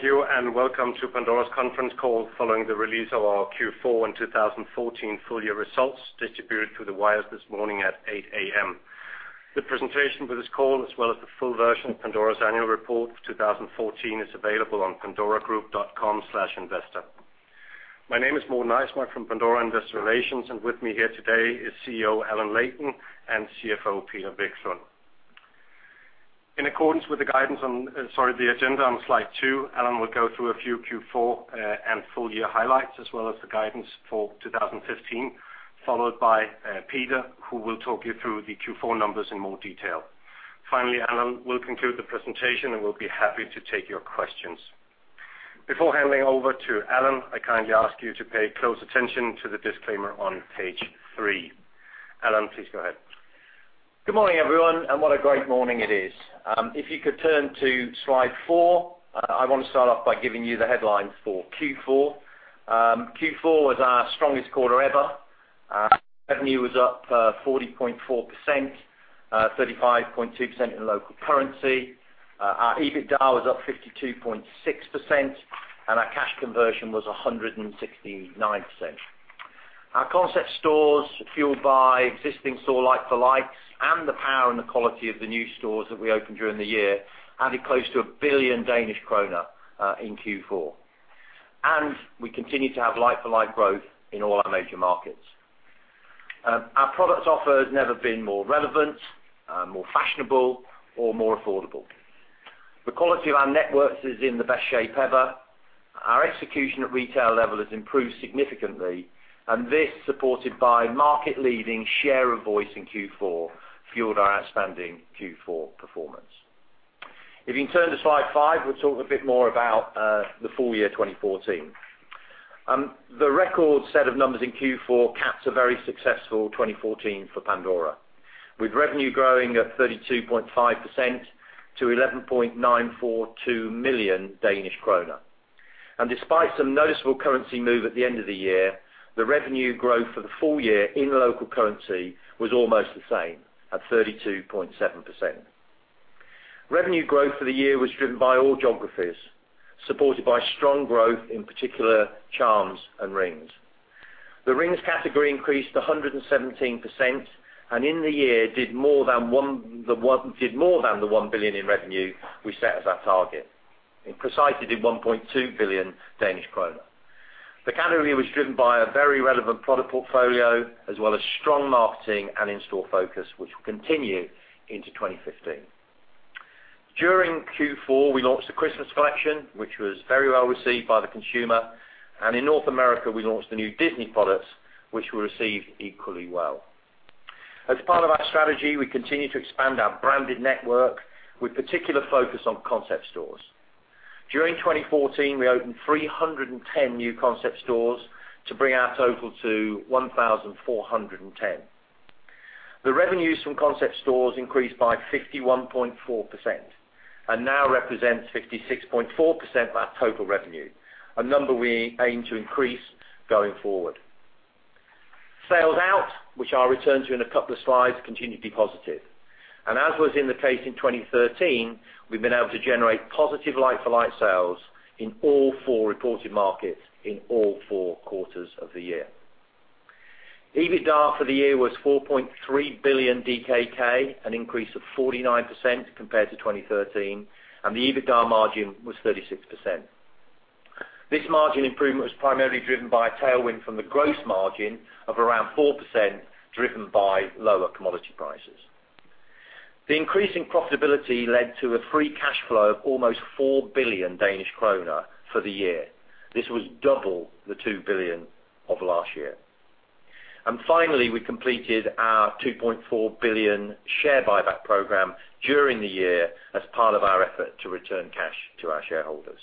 Thank you, and welcome to Pandora's conference call following the release of our Q4 and 2014 full year results, distributed through the wires this morning at 8:00 A.M. The presentation for this call, as well as the full version of Pandora's annual report for 2014, is available on pandoragroup.com/investor. My name is Morten Eismark from Pandora Investor Relations, and with me here today is CEO Allan Leighton and CFO Peter Vekslund. In accordance with the guidance on, sorry, the agenda on slide 2, Allan will go through a few Q4 and full year highlights, as well as the guidance for 2015, followed by Peter, who will talk you through the Q4 numbers in more detail. Finally, Allan will conclude the presentation, and we'll be happy to take your questions. Before handing over to Allan, I kindly ask you to pay close attention to the disclaimer on page three. Allan, please go ahead. Good morning, everyone, and what a great morning it is. If you could turn to slide 4, I want to start off by giving you the headlines for Q4. Q4 was our strongest quarter ever. Revenue was up 40.4%, 35.2% in local currency. Our EBITDA was up 52.6%, and our cash conversion was 169%. Our concept stores, fueled by existing store like-for-likes, and the power and the quality of the new stores that we opened during the year, added close to 1 billion Danish kroner in Q4. We continue to have like-for-like growth in all our major markets. Our products offer has never been more relevant, more fashionable, or more affordable. The quality of our networks is in the best shape ever. Our execution at retail level has improved significantly, and this, supported by market-leading share of voice in Q4, fueled our outstanding Q4 performance. If you turn to slide 5, we'll talk a bit more about the full year 2014. The record set of numbers in Q4 caps a very successful 2014 for Pandora, with revenue growing at 32.5% to 11.942 million Danish kroner. Despite some noticeable currency move at the end of the year, the revenue growth for the full year in local currency was almost the same, at 32.7%. Revenue growth for the year was driven by all geographies, supported by strong growth, in particular, charms and rings. The rings category increased 117%, and in the year did more than 1 billion in revenue we set as our target. It precisely did 1.2 billion Danish kroner. The category was driven by a very relevant product portfolio, as well as strong marketing and in-store focus, which will continue into 2015. During Q4, we launched a Christmas collection, which was very well received by the consumer, and in North America, we launched the new Disney products, which were received equally well. As part of our strategy, we continue to expand our branded network with particular focus on concept stores. During 2014, we opened 310 new concept stores to bring our total to 1,410. The revenues from concept stores increased by 51.4% and now represents 56.4% of our total revenue, a number we aim to increase going forward. sell-out, which I'll return to in a couple of slides, continue to be positive. And as was in the case in 2013, we've been able to generate positive like-for-like sales in all four reported markets in all four quarters of the year. EBITDA for the year was 4.3 billion DKK, an increase of 49% compared to 2013, and the EBITDA margin was 36%. This margin improvement was primarily driven by a tailwind from the gross margin of around 4%, driven by lower commodity prices. The increase in profitability led to a free cash flow of almost 4 billion Danish kroner for the year. This was double the 2 billion of last year. Finally, we completed our 2.4 billion share buyback program during the year as part of our effort to return cash to our shareholders.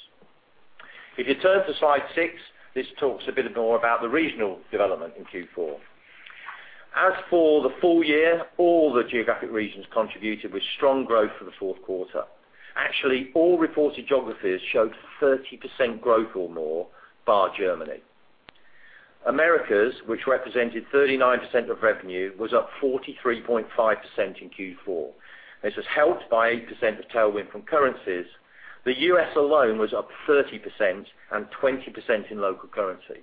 If you turn to slide 6, this talks a bit more about the regional development in Q4. As for the full year, all the geographic regions contributed with strong growth for the fourth quarter. Actually, all reported geographies showed 30% growth or more, bar Germany. Americas, which represented 39% of revenue, was up 43.5% in Q4. This was helped by 8% of tailwind from currencies. The U.S. alone was up 30% and 20% in local currency,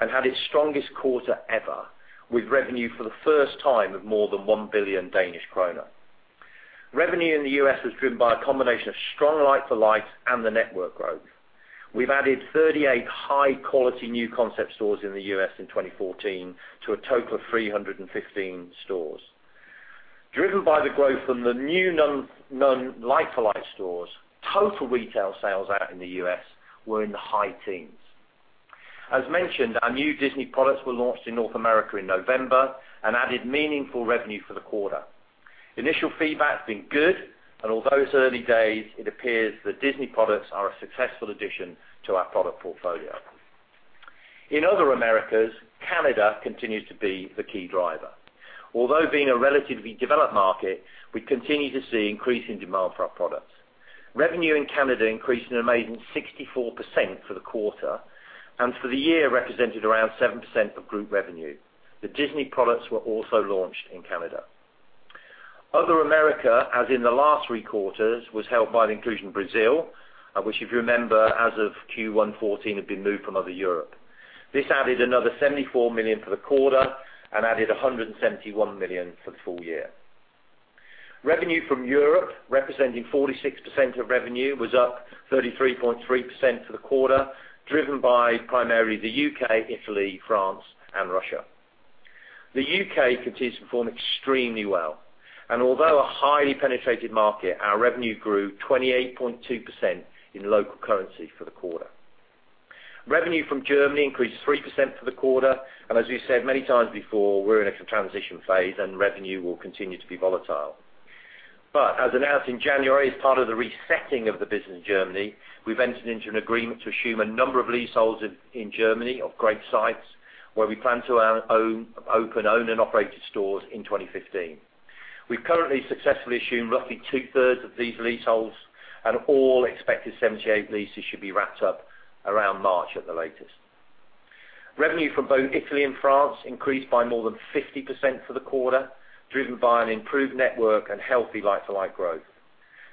and had its strongest quarter ever, with revenue for the first time of more than 1 billion Danish kroner. Revenue in the U.S. was driven by a combination of strong like for like and the network growth. We've added 38 high quality new concept stores in the U.S. in 2014 to a total of 315 stores. Driven by the growth from the new non-like-for-like stores, total retail sell-out in the U.S. were in the high teens. As mentioned, our new Disney products were launched in North America in November and added meaningful revenue for the quarter. Initial feedback has been good, and although it's early days, it appears that Disney products are a successful addition to our product portfolio. In other Americas, Canada continues to be the key driver. Although being a relatively developed market, we continue to see increasing demand for our products. Revenue in Canada increased an amazing 64% for the quarter, and for the year represented around 7% of group revenue. The Disney products were also launched in Canada. Americas, as in the last three quarters, was helped by the inclusion of Brazil, which, if you remember, as of Q1 2014, had been moved from Other Europe. This added another 74 million for the quarter and added 171 million for the full year. Revenue from Europe, representing 46% of revenue, was up 33.3% for the quarter, driven by primarily the UK, Italy, France, and Russia. The UK continues to perform extremely well, and although a highly penetrated market, our revenue grew 28.2% in local currency for the quarter. Revenue from Germany increased 3% for the quarter, and as we've said many times before, we're in a transition phase, and revenue will continue to be volatile. But as announced in January, as part of the resetting of the business in Germany, we've entered into an agreement to assume a number of leaseholds in Germany, of great sites, where we plan to open our own owned and operated stores in 2015. We've currently successfully assumed roughly two-thirds of these leaseholds, and all expected 78 leases should be wrapped up around March at the latest. Revenue from both Italy and France increased by more than 50% for the quarter, driven by an improved network and healthy like-for-like growth.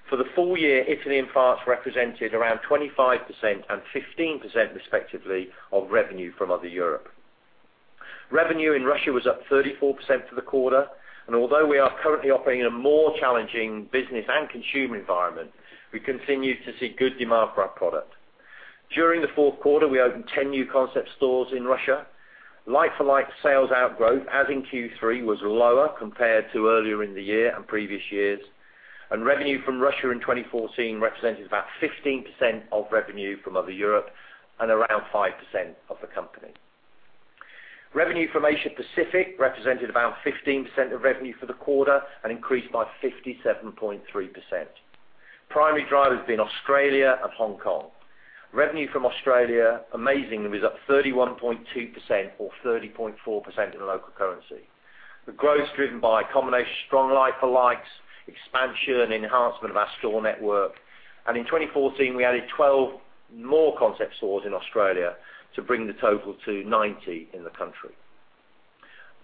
For the full year, Italy and France represented around 25% and 15%, respectively, of revenue from Other Europe. Revenue in Russia was up 34% for the quarter, and although we are currently operating in a more challenging business and consumer environment, we continue to see good demand for our product. During the fourth quarter, we opened 10 new Concept Stores in Russia. Like-for-like sales-outgrowth, as in Q3, was lower compared to earlier in the year and previous years, and revenue from Russia in 2014 represented about 15% of revenue from Other Europe and around 5% of the company. Revenue from Asia Pacific represented about 15% of revenue for the quarter and increased by 57.3%. Primary drivers being Australia and Hong Kong. Revenue from Australia, amazingly, was up 31.2% or 30.4% in the local currency. The growth driven by a combination of strong like-for-likes, expansion, and enhancement of our store network. In 2014, we added 12 more Concept Stores in Australia to bring the total to 90 in the country.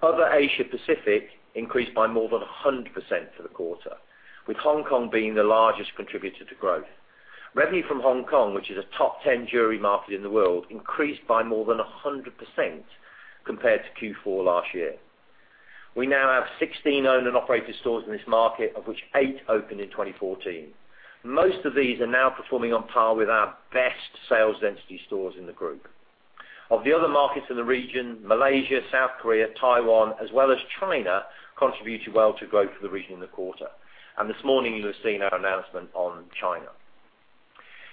Other Asia Pacific increased by more than 100% for the quarter, with Hong Kong being the largest contributor to growth. Revenue from Hong Kong, which is a top 10 jewelry market in the world, increased by more than 100% compared to Q4 last year. We now have 16 owned and operated stores in this market, of which eight opened in 2014. Most of these are now performing on par with our best sales density stores in the group. Of the other markets in the region, Malaysia, South Korea, Taiwan, as well as China, contributed well to growth for the region in the quarter. And this morning, you have seen our announcement on China.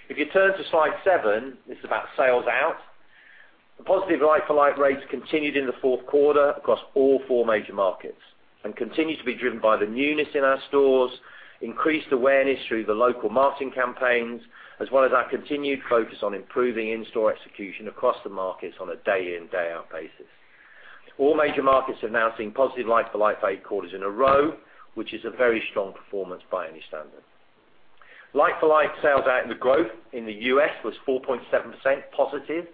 If you turn to slide 7, this is about sales-out. The positive like-for-like rates continued in the fourth quarter across all four major markets and continued to be driven by the newness in our stores, increased awareness through the local marketing campaigns, as well as our continued focus on improving in-store execution across the markets on a day-in, day-out basis. All major markets are now seeing positive like-for-like eight quarters in a row, which is a very strong performance by any standard. Like-for-like sales-out growth in the U.S. was 4.7% positive.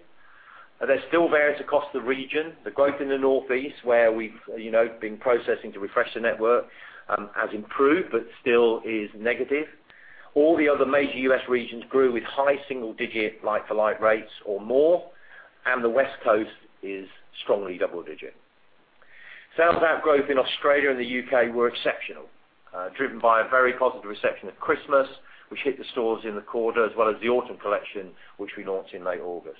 There's still variance across the region. The growth in the Northeast, where we've, you know, been progressing to refresh the network, has improved but still is negative. All the other major U.S. regions grew with high single-digit like-for-like rates or more, and the West Coast is strongly double-digit. Sales-out growth in Australia and the UK were exceptional, driven by a very positive reception at Christmas, which hit the stores in the quarter, as well as the autumn collection, which we launched in late August.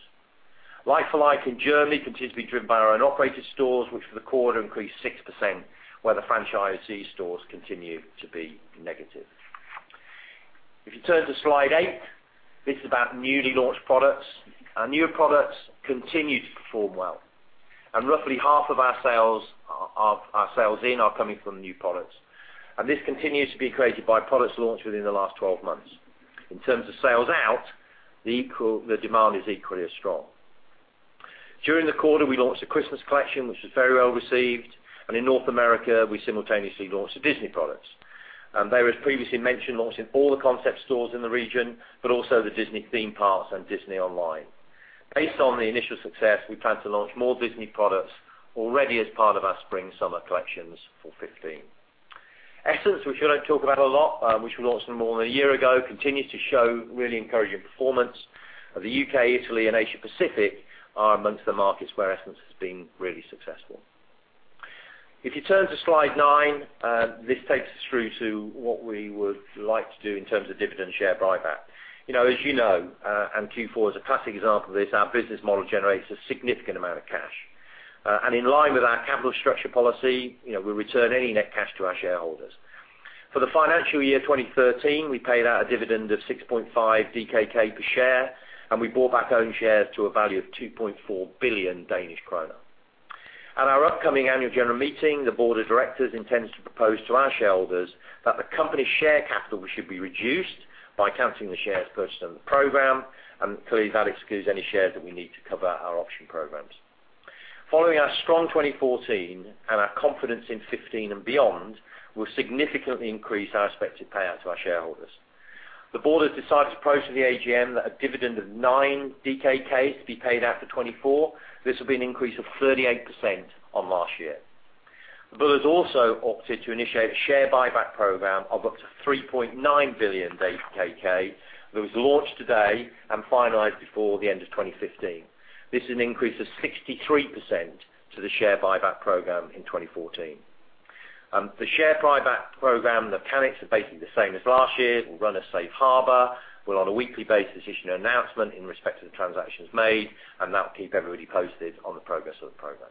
Like-for-like in Germany continued to be driven by our owned and operated stores, which for the quarter increased 6%, while the franchisee stores continued to be negative. If you turn to slide 8, this is about newly launched products. Our newer products continue to perform well, and roughly half of our sales are coming from new products. And this continues to be created by products launched within the last 12 months. In terms of sales-out, the demand is equally as strong. During the quarter, we launched a Christmas collection, which was very well received, and in North America, we simultaneously launched the Disney products. They, as previously mentioned, launched in all the concept stores in the region, but also the Disney theme parks and Disney Online. Based on the initial success, we plan to launch more Disney products already as part of our spring/summer collections for 2015. Essence, which we don't talk about a lot, which we launched more than a year ago, continues to show really encouraging performance. The UK, Italy, and Asia Pacific are among the markets where Essence has been really successful. If you turn to slide 9, this takes us through to what we would like to do in terms of dividend share buyback. You know, as you know, and Q4 is a classic example of this, our business model generates a significant amount of cash. And in line with our capital structure policy, you know, we return any net cash to our shareholders. For the financial year 2013, we paid out a dividend of 6.5 DKK per share, and we bought back own shares to a value of 2.4 billion Danish kroner. At our upcoming annual general meeting, the board of directors intends to propose to our shareholders that the company share capital should be reduced by counting the shares purchased in the program, and clearly, that excludes any shares that we need to cover our option programs. Following our strong 2014 and our confidence in 2015 and beyond, we'll significantly increase our expected payout to our shareholders. The board has decided to approach the AGM that a dividend of 9 DKK to be paid out for 2024. This will be an increase of 38% on last year. The board has also opted to initiate a share buyback program of up to 3.9 billion DKK, that was launched today and finalized before the end of 2015. This is an increase of 63% to the share buyback program in 2014. The share buyback program, the mechanics are basically the same as last year. It will run a Safe Harbor. We'll, on a weekly basis, issue an announcement in respect to the transactions made, and that will keep everybody posted on the progress of the program.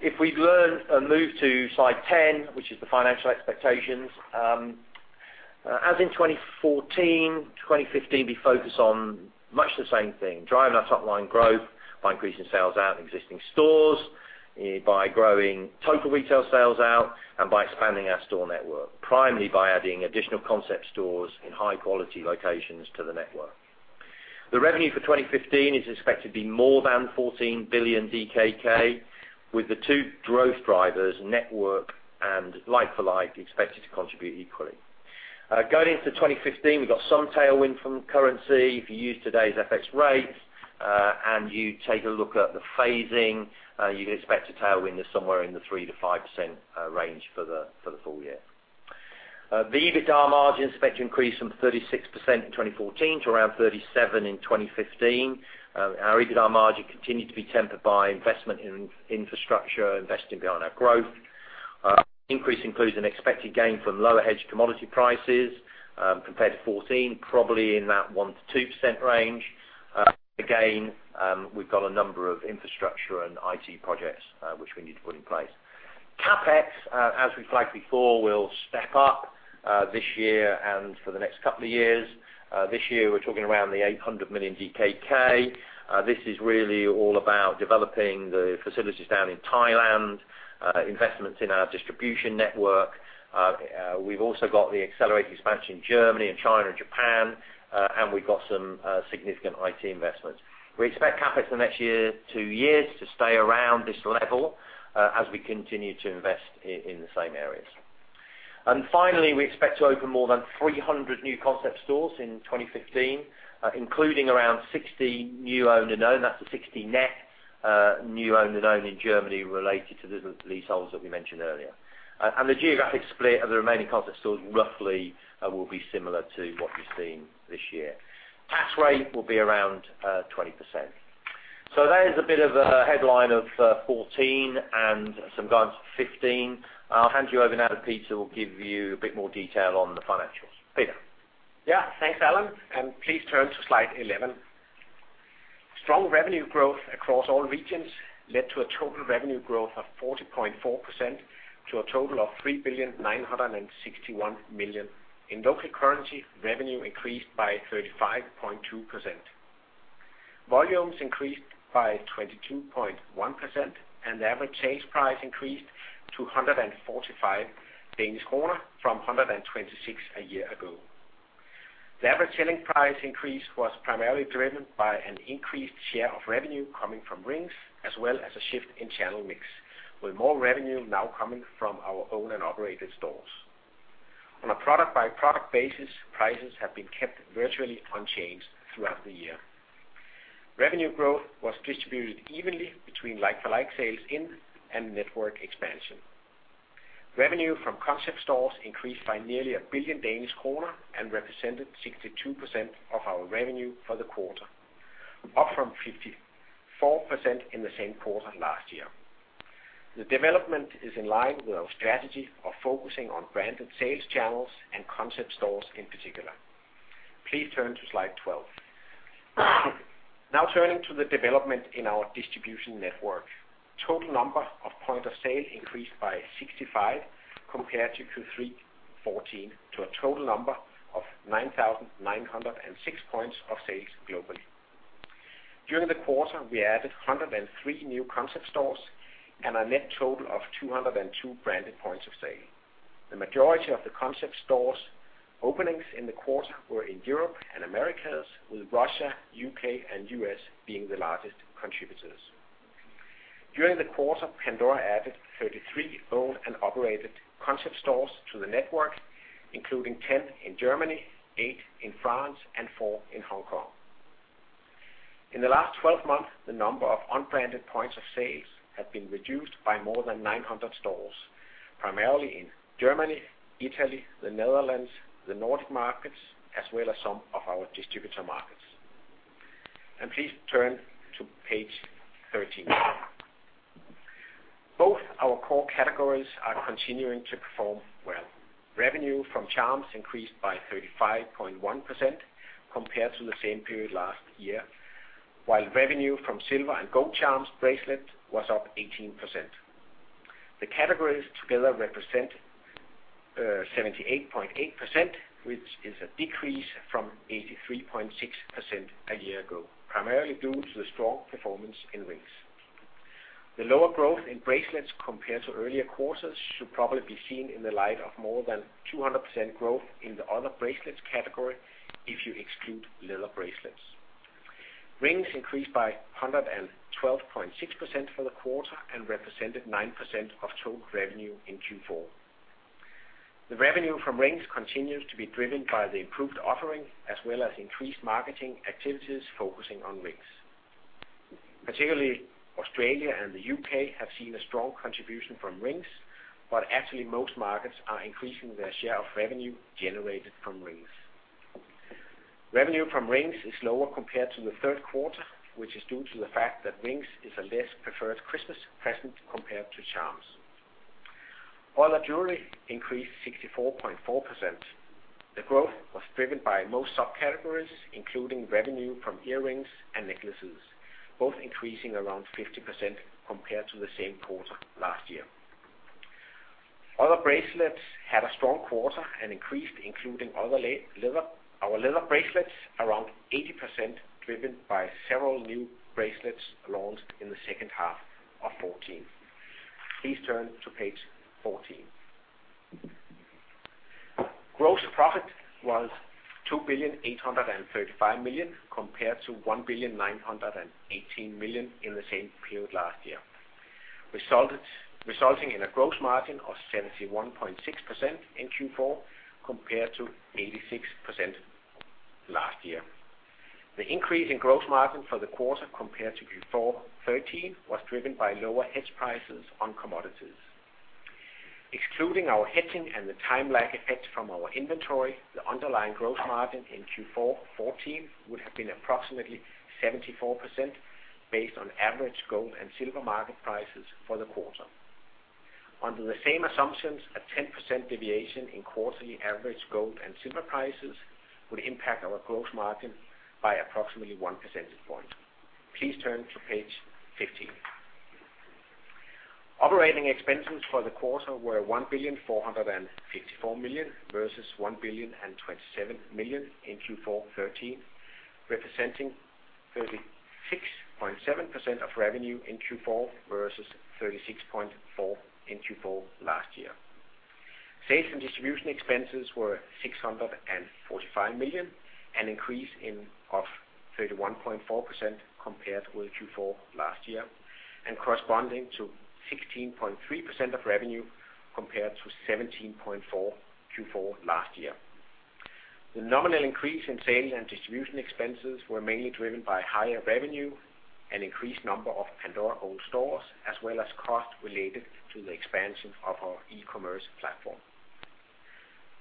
If we turn and move to slide 10, which is the financial expectations. As in 2014, 2015, we focus on much the same thing, driving our top line growth by increasing sales-out in existing stores, by growing total retail sales-out, and by expanding our store network, primarily by adding additional concept stores in high quality locations to the network. The revenue for 2015 is expected to be more than 14 billion DKK, with the two growth drivers, network and like-for-like, expected to contribute equally. Going into 2015, we've got some tailwind from currency. If you use today's FX rates and you take a look at the phasing, you'd expect a tailwind of somewhere in the 3%-5% range for the full year. The EBITDA margin is expected to increase from 36% in 2014 to around 37% in 2015. Our EBITDA margin continued to be tempered by investment in infrastructure, investing behind our growth. Increase includes an expected gain from lower hedge commodity prices, compared to 2014, probably in that 1%-2% range. Again, we've got a number of infrastructure and IT projects, which we need to put in place. CapEx, as we flagged before, will step up, this year and for the next couple of years. This year, we're talking around 800 million DKK. This is really all about developing the facilities down in Thailand, investments in our distribution network. We've also got the accelerated expansion in Germany, and China, and Japan, and we've got some significant IT investments. We expect CapEx in the next year, two years, to stay around this level, as we continue to invest in the same areas. And finally, we expect to open more than 300 new concept stores in 2015, including around 60 new owned and operated. That's a 60 net, new owned and operated in Germany, related to the leaseholds that we mentioned earlier. And the geographic split of the remaining concept stores roughly will be similar to what we've seen this year. Tax rate will be around 20%. So, that is a bit of a headline of 2014 and some guidance for 2015. I'll hand you over now to Peter, who will give you a bit more detail on the financials. Peter? Yeah, thanks, Allan, and please turn to slide 11. Strong revenue growth across all regions led to a total revenue growth of 40.4%, to a total of 3,961 million. In local currency, revenue increased by 35.2%. Volumes increased by 22.1%, and the average sales price increased to 145 Danish kroner, from 126 DKK a year ago. The average selling price increase was primarily driven by an increased share of revenue coming from rings, as well as a shift in channel mix, with more revenue now coming from our owned and operated stores. On a product-by-product basis, prices have been kept virtually unchanged throughout the year. Revenue growth was distributed evenly between like-for-like sales in and network expansion. Revenue from concept stores increased by nearly 1 billion Danish kroner, and represented 62% of our revenue for the quarter, up from 54% in the same quarter last year. The development is in line with our strategy of focusing on branded sales channels and concept stores in particular. Please turn to slide 12. Now turning to the development in our distribution network. Total number of points of sale increased by 65, compared to Q3 2014, to a total number of 9,006 points of sale globally. During the quarter, we added 103 new concept stores and a net total of 202 branded points of sale. The majority of the concept store openings in the quarter were in Europe and Americas, with Russia, U.K., and U.S. being the largest contributors. During the quarter, Pandora added 33 owned and operated concept stores to the network, including 10 in Germany, 8 in France, and 4 in Hong Kong. In the last twelve months, the number of unbranded points of sale have been reduced by more than 900 stores, primarily in Germany, Italy, the Netherlands, the Nordic markets, as well as some of our distributor markets. Please turn to page 13. Both our core categories are continuing to perform well. Revenue from charms increased by 35.1% compared to the same period last year, while revenue from silver and gold charms bracelet was up 18%. The categories together represent 78.8%, which is a decrease from 83.6% a year ago, primarily due to the strong performance in rings. The lower growth in bracelets compared to earlier quarters should probably be seen in the light of more than 200% growth in the other bracelets category, if you exclude leather bracelets. Rings increased by 112.6% for the quarter, and represented 9% of total revenue in Q4. The revenue from rings continues to be driven by the improved offering, as well as increased marketing activities focusing on rings. Particularly, Australia and the U.K. have seen a strong contribution from rings, but actually, most markets are increasing their share of revenue generated from rings. Revenue from rings is lower compared to the third quarter, which is due to the fact that rings is a less preferred Christmas present compared to charms. Other jewelry increased 64.4%. The growth was driven by most subcategories, including revenue from earrings and necklaces, both increasing around 50% compared to the same quarter last year. Other bracelets had a strong quarter and increased, including other leather, our leather bracelets, around 80%, driven by several new bracelets launched in the second half of 2014. Please turn to page 14. Gross profit was 2,835 million, compared to 1,918 million in the same period last year, resulting in a gross margin of 71.6% in Q4, compared to 86% last year. The increase in gross margin for the quarter, compared to Q4 2013, was driven by lower hedge prices on commodities. Excluding our hedging and the time lag effects from our inventory, the underlying gross margin in Q4 2014 would have been approximately 74%, based on average gold and silver market prices for the quarter. Under the same assumptions, a 10% deviation in quarterly average gold and silver prices would impact our gross margin by approximately 1 percentage point. Please turn to page 15. Operating expenses for the quarter were 1,454 million, versus 1,027 million in Q4 2013, representing 36.7% of revenue in Q4 2014, versus 36.4% in Q4 last year. Sales and distribution expenses were 645 million, an increase in, of 31.4% compared with Q4 last year, and corresponding to 16.3% of revenue, compared to 17.4%, Q4 last year. The nominal increase in sales and distribution expenses were mainly driven by higher revenue and increased number of Pandora-owned stores, as well as costs related to the expansion of our e-commerce platform.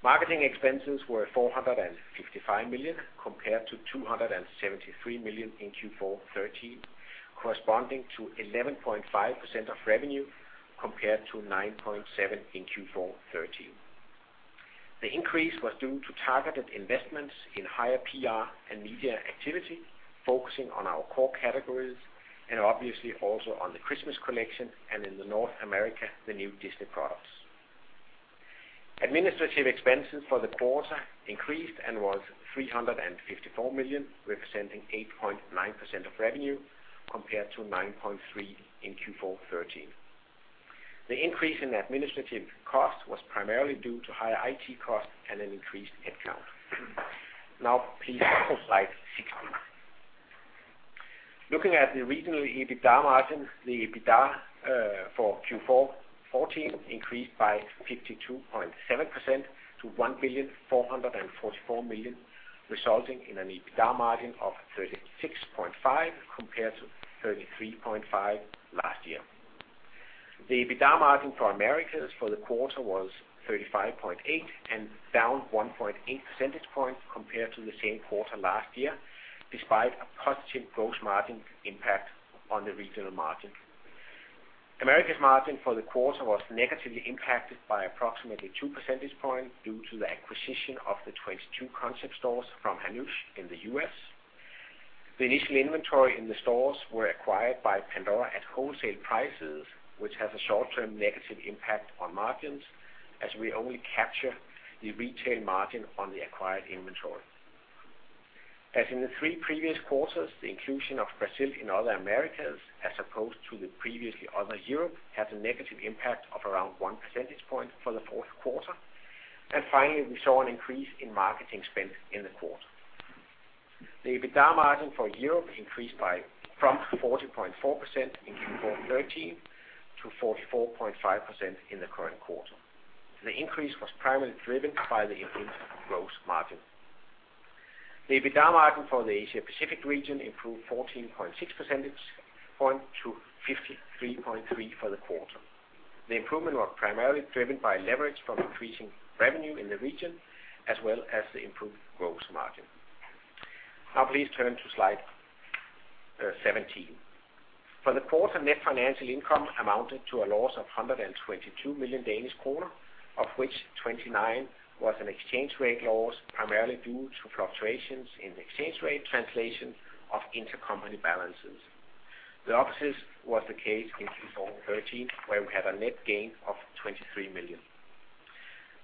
Marketing expenses were 455 million, compared to 273 million in Q4 2013, corresponding to 11.5% of revenue, compared to 9.7% in Q4 2013. The increase was due to targeted investments in higher PR and media activity, focusing on our core categories, and obviously, also on the Christmas collection, and in North America, the new Disney products. Administrative expenses for the quarter increased and was 354 million, representing 8.9% of revenue, compared to 9.3% in Q4 2013. The increase in administrative costs was primarily due to higher IT costs and an increased headcount. Now, please, slide 16. Looking at the regional EBITDA margin, the EBITDA for Q4 2014 increased by 52.7% to 1,444 million, resulting in an EBITDA margin of 36.5%, compared to 33.5% last year. The EBITDA margin for Americas for the quarter was 35.8%, and down 1.8 percentage points compared to the same quarter last year, despite a positive gross margin impact on the regional margin. Americas margin for the quarter was negatively impacted by approximately 2 percentage points, due to the acquisition of the 22 concept stores from Hannoush in the US. The initial inventory in the stores were acquired by Pandora at wholesale prices, which has a short-term negative impact on margins, as we only capture the retail margin on the acquired inventory. As in the three previous quarters, the inclusion of Brazil in Other Americas, as opposed to the previously Other Europe, had a negative impact of around 1 percentage point for the fourth quarter. Finally, we saw an increase in marketing spend in the quarter. The EBITDA margin for Europe increased by, from 40.4% in Q4 2013 to 44.5% in the current quarter. The increase was primarily driven by the improved gross margin. The EBITDA margin for the Asia Pacific region improved 14.6 percentage points to 53.3% for the quarter. The improvement was primarily driven by leverage from increasing revenue in the region, as well as the improved gross margin. Now, please turn to slide 17. For the quarter, net financial income amounted to a loss of 122 million Danish kroner, of which 29 million was an exchange rate loss, primarily due to fluctuations in the exchange rate translation of intercompany balances. The opposite was the case in Q4 2013, where we had a net gain of 23 million.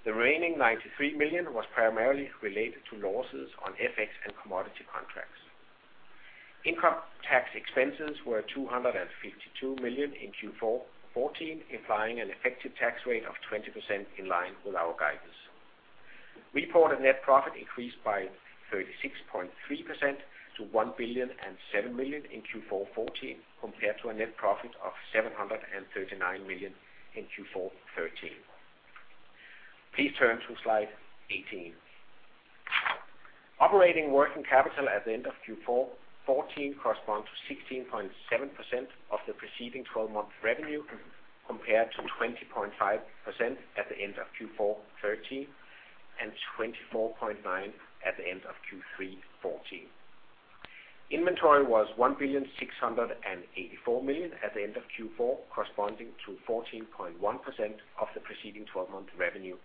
The remaining 93 million was primarily related to losses on FX and commodity contracts. Income tax expenses were 252 million in Q4 2014, implying an effective tax rate of 20% in line with our guidance. Reported net profit increased by 36.3% to 1,007 million in Q4 2014, compared to a net profit of 739 million in Q4 2013. Please turn to slide 18. Operating working capital at the end of Q4 2014 corresponds to 16.7% of the preceding twelve-month revenue, compared to 20.5% at the end of Q4 2013, and 24.9% at the end of Q3 2014. Inventory was 1,684 million at the end of Q4 2014, corresponding to 14.1% of the preceding twelve-month revenue,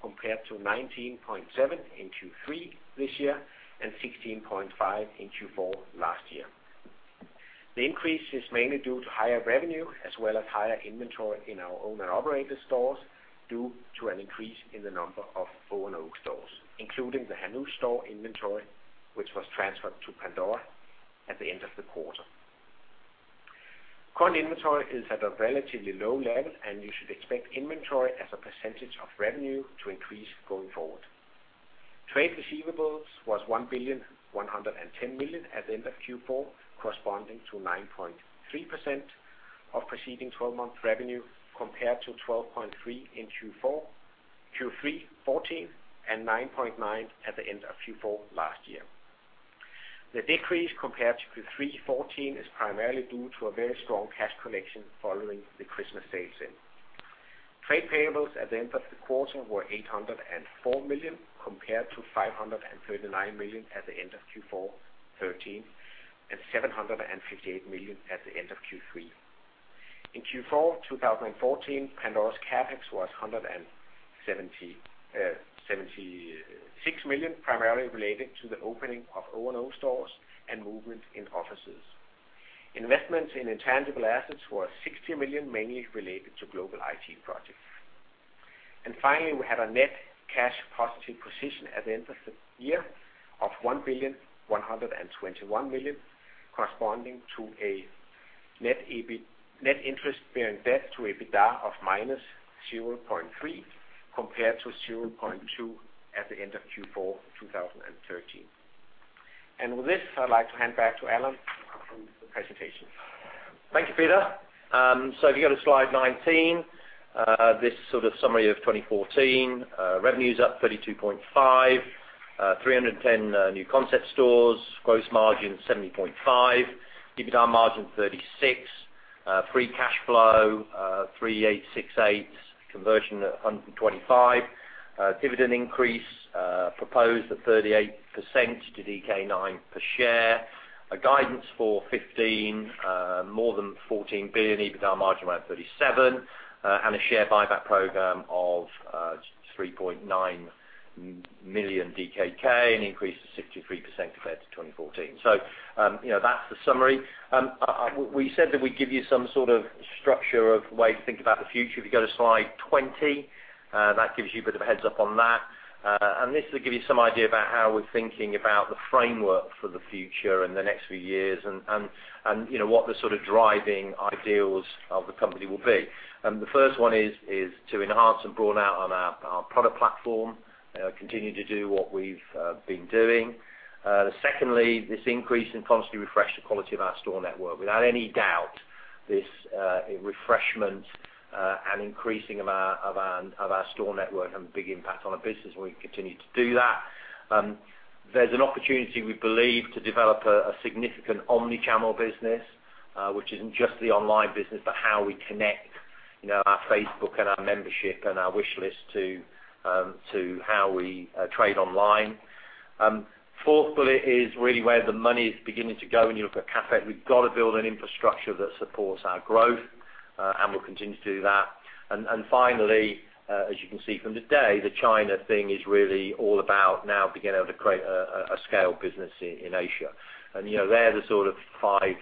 compared to 19.7% in Q3 this year, and 16.5% in Q4 last year. The increase is mainly due to higher revenue, as well as higher inventory in our owned and operated stores, due to an increase in the number of O&O stores, including the Hannoush store inventory, which was transferred to Pandora at the end of the quarter. Current inventory is at a relatively low level, and you should expect inventory as a percentage of revenue to increase going forward. Trade receivables was 1,110 million at the end of Q4, corresponding to 9.3% of preceding 12-month revenue, compared to 12.3% in Q4, Q3 2014, and 9.9% at the end of Q4 last year. The decrease compared to Q3 2014 is primarily due to a very strong cash collection following the Christmas sales end. Trade payables at the end of the quarter were 804 million, compared to 539 million at the end of Q4 2013, and 758 million at the end of Q3. In Q4 2014, Pandora's CapEx was 176 million, primarily related to the opening of O&O stores and movement in offices. Investments in intangible assets were 60 million, mainly related to global IT projects. Finally, we had a net cash positive position at the end of the year of 1,121 million, corresponding to a net interest-bearing debt to EBITDA of -0.3, compared to 0.2 at the end of Q4 2013. With this, I'd like to hand back to Allan to conclude the presentation. Thank you, Peter. So, if you go to slide 19, this sort of summary of 2014. Revenue's up 32.5%, 310 new concept stores, gross margin 70.5%, EBITDA margin 36%, free cash flow 3,868, conversion at 125%. Dividend increase proposed at 38% to 9 per share. Guidance for 2015, more than 14 billion, EBITDA margin around 37%, and a share buyback program of 3.9 million DKK, an increase of 63% compared to 2014. So, you know, that's the summary. We said that we'd give you some sort of structure of way to think about the future. If you go to slide 20, that gives you a bit of a heads up on that. And this will give you some idea about how we're thinking about the framework for the future and the next few years and, you know, what the sort of driving ideals of the company will be. And the first one is to enhance and broaden out on our product platform, continue to do what we've been doing. Secondly, this increase in constantly refresh the quality of our store network. Without any doubt, this refreshment and increasing of our store network have a big impact on our business, and we continue to do that. There's an opportunity, we believe, to develop a significant omni-channel business, which isn't just the online business, but how we connect, you know, our Facebook and our membership and our wish list to how we trade online. Fourth bullet is really where the money is beginning to go when you look at CapEx. We've got to build an infrastructure that supports our growth, and we'll continue to do that. And finally, as you can see from today, the China thing is really all about now beginning to create a scale business in Asia. And, you know, they're the sort of five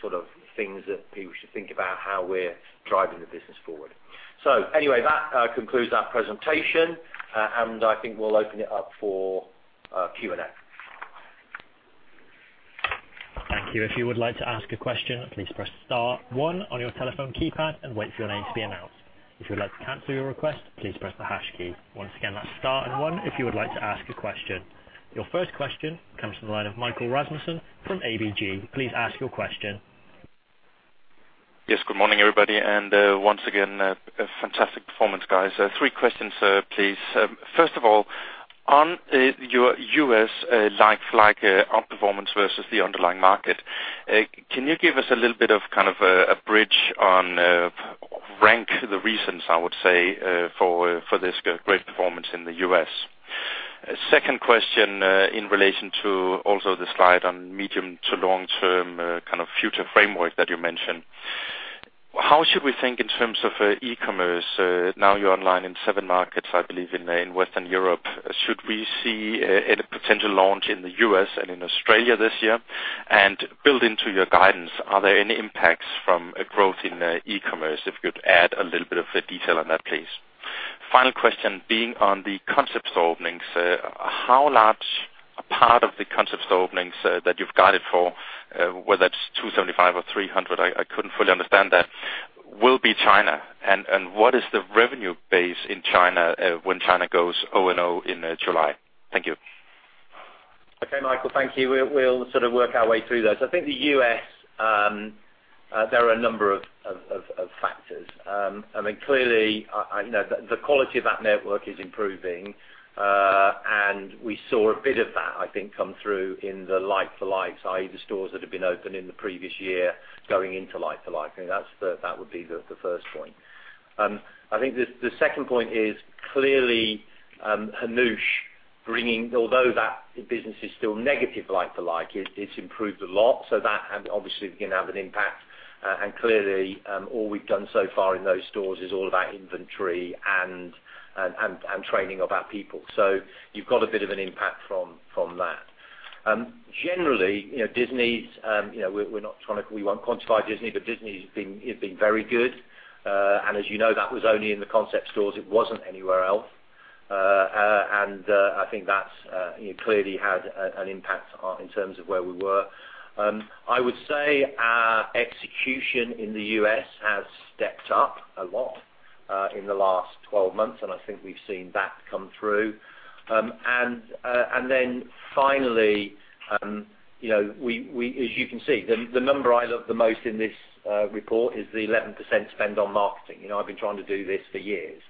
sort of things that people should think about how we're driving the business forward. So anyway, that concludes our presentation, and I think we'll open it up for Q&A. Thank you. If you would like to ask a question, please press star one on your telephone keypad and wait for your name to be announced. If you would like to cancel your request, please press the hash key. Once again, that's star and one if you would like to ask a question. Your first question comes from the line of Michael Rasmussen from ABG. Please ask your question. Yes, good morning, everybody, and once again, a fantastic performance, guys. Three questions, please. First of all, on your U.S. like-for-like outperformance versus the underlying market, can you give us a little bit of kind of a bridge on rank the reasons, I would say, for this great performance in the U.S.? Second question, in relation to also the slide on medium- to long-term kind of future framework that you mentioned. How should we think in terms of e-commerce? Now you're online in seven markets, I believe, in Western Europe. Should we see a potential launch in the U.S. and in Australia this year? And built into your guidance, are there any impacts from a growth in e-commerce? If you could add a little bit of detail on that, please. Final question, being on the concept store openings, how large part of the concept store openings that you've guided for, whether that's 275 or 300, I couldn't fully understand that, will be China? And what is the revenue base in China, when China goes O&O in July? Thank you. Okay, Michael, thank you. We'll sort of work our way through this. I think the U.S., there are a number of factors. I mean, clearly, you know, the quality of that network is improving. And we saw a bit of that, I think, come through in the like-for-likes, i.e., the stores that have been open in the previous year going into like-for-like. I think that's the—that would be the first point. I think the second point is clearly, Hannoush bringing... Although that business is still negative like-for-like, it's improved a lot, so that obviously is gonna have an impact. And clearly, all we've done so far in those stores is all about inventory and training of our people. So, you've got a bit of an impact from that. Generally, you know, Disney's, you know, we're, we're not trying to- we won't quantify Disney, but Disney's been, it's been very good. And as you know, that was only in the concept stores. It wasn't anywhere else. And, and, I think that's clearly had an, an impact on, in terms of where we were. I would say our execution in the U.S. has stepped up a lot, in the last 12 months, and I think we've seen that come through. And, and then finally, you know, we, we- as you can see, the, the number I love the most in this, report is the 11% spend on marketing. You know, I've been trying to do this for years.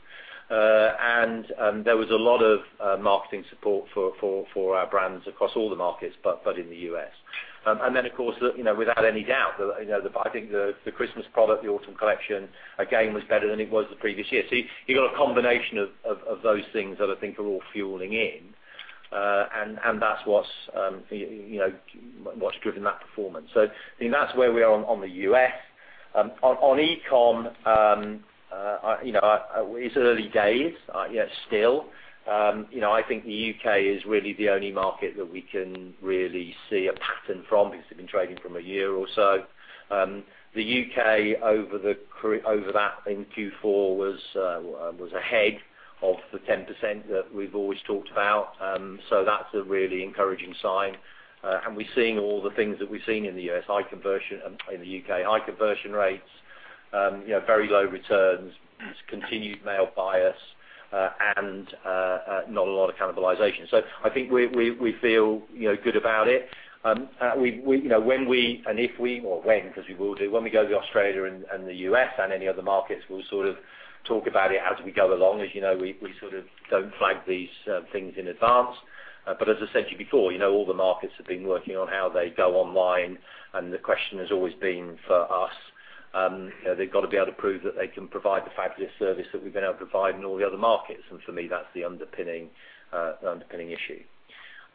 And there was a lot of marketing support for our brands across all the markets, but in the US. And then, of course, you know, without any doubt, you know, the, I think the, the Christmas product, the autumn collection, again, was better than it was the previous year. So, you've got a combination of those things that I think are all fueling in, and that's what's, you know, what's driven that performance. So, I think that's where we are on the US. On e-com, you know, it's early days yet still. You know, I think the UK is really the only market that we can really see a pattern from because they've been trading for a year or so. The UK, over that in Q4, was ahead of the 10% that we've always talked about. So, that's a really encouraging sign. And we're seeing all the things that we've seen in the US, high conversion in the UK, high conversion rates, you know, very low returns, continued male bias, and not a lot of cannibalizations. So, I think we feel, you know, good about it. We, you know, when we go to Australia and the US and any other markets, we'll sort of talk about it as we go along. As you know, we sort of don't flag these things in advance. But as I said to you before, you know, all the markets have been working on how they go online, and the question has always been for us, you know, they've got to be able to prove that they can provide the fabulous service that we've been able to provide in all the other markets, and for me, that's the underpinning issue.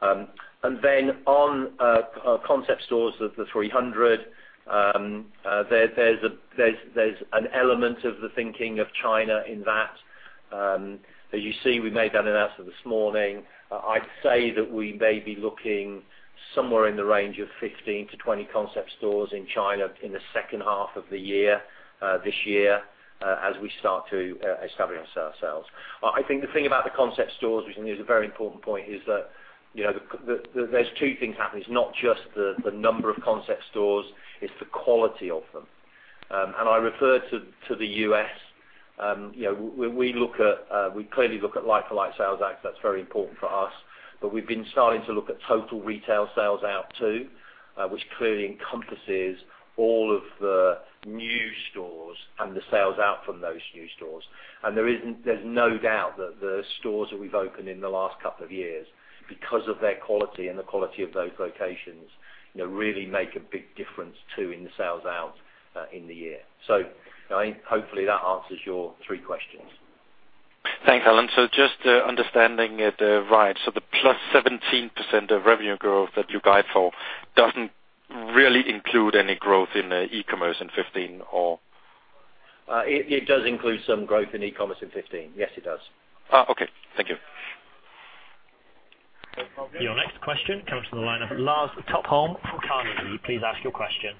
And then on our concept stores of the 300, there's an element of the thinking of China in that. As you see, we made that announcement this morning. I'd say that we may be looking somewhere in the range of 15-20 concept stores in China in the second half of the year, this year, as we start to establish ourselves. I think the thing about the concept stores, which is a very important point, is that, you know, there's two things happening. It's not just the number of concept stores; it's the quality of them. And I refer to the U.S. You know, when we look at like-for-like sales, that's very important for us, but we've been starting to look at total retail sales-out, too, which clearly encompasses all of the new stores and the sales-out from those new stores. And there's no doubt that the stores that we've opened in the last couple of years, because of their quality and the quality of those locations, you know, really make a big difference, too, in the sales-out in the year. So, I think hopefully that answers your three questions. Thanks, Allan. So, just understanding it right. So, the +17% revenue growth that you guide for doesn't really include any growth in e-commerce in 2015 or? It does include some growth in e-commerce in 2015. Yes, it does. Okay. Thank you. Your next question comes from the line of Lars Topholm from Carnegie. Please ask your question.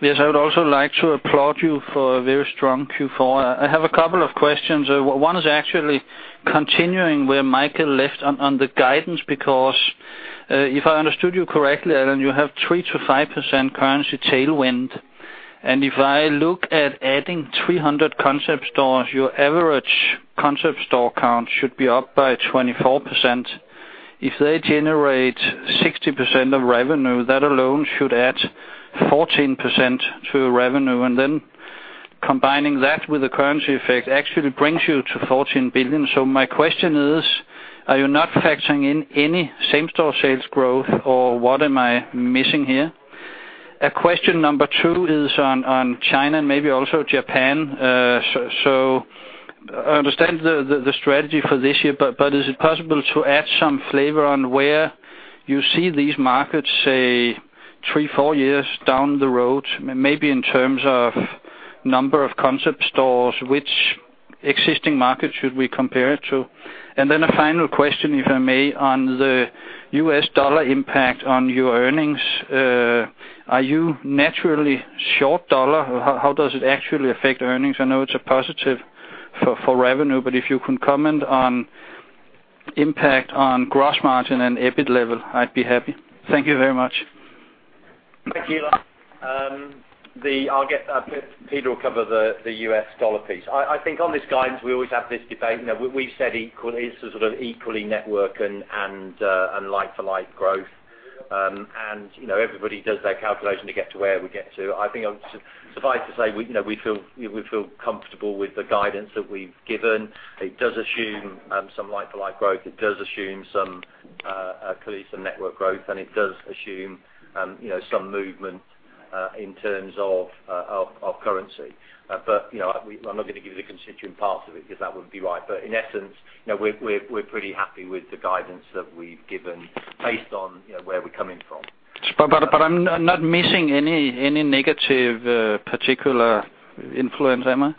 Yes, I would also like to applaud you for a very strong Q4. I, I have a couple of questions. One is actually continuing where Michael left on the guidance, because if I understood you correctly, Allan, you have 3%-5% currency tailwind. And if I look at adding 300 concept stores, your average concept store count should be up by 24%. If they generate 60% of revenue, that alone should add 14% to revenue, and then combining that with the currency effect actually brings you to 14 billion. So my question is, are you not factoring in any same-store sales growth, or what am I missing here? Question number two is on China and maybe also Japan. So, I understand the strategy for this year, but is it possible to add some flavor on where you see these markets, say, three, four years down the road, maybe in terms of number of concept stores, which existing market should we compare it to? And then a final question, if I may, on the US dollar impact on your earnings. Are you naturally short dollar? Or how does it actually affect earnings? I know it's a positive for revenue, but if you can comment on impact on gross margin and EBIT level, I'd be happy. Thank you very much. Thank you, Lars. I'll get Peter will cover the U.S. dollar piece. I think on this guidance, we always have this debate. You know, we've said equally, it's a sort of equally network and like-for-like growth. You know, everybody does their calculation to get to where we get to. I think suffice to say, you know, we feel comfortable with the guidance that we've given. It does assume some like-for-like growth. It does assume some clearly some network growth, and it does assume you know, some movement in terms of of currency. But you know, I'm not going to give you the constituent parts of it, because that wouldn't be right. In essence, you know, we're pretty happy with the guidance that we've given based on, you know, where we're coming from. But I'm not missing any negative particular influence, am I?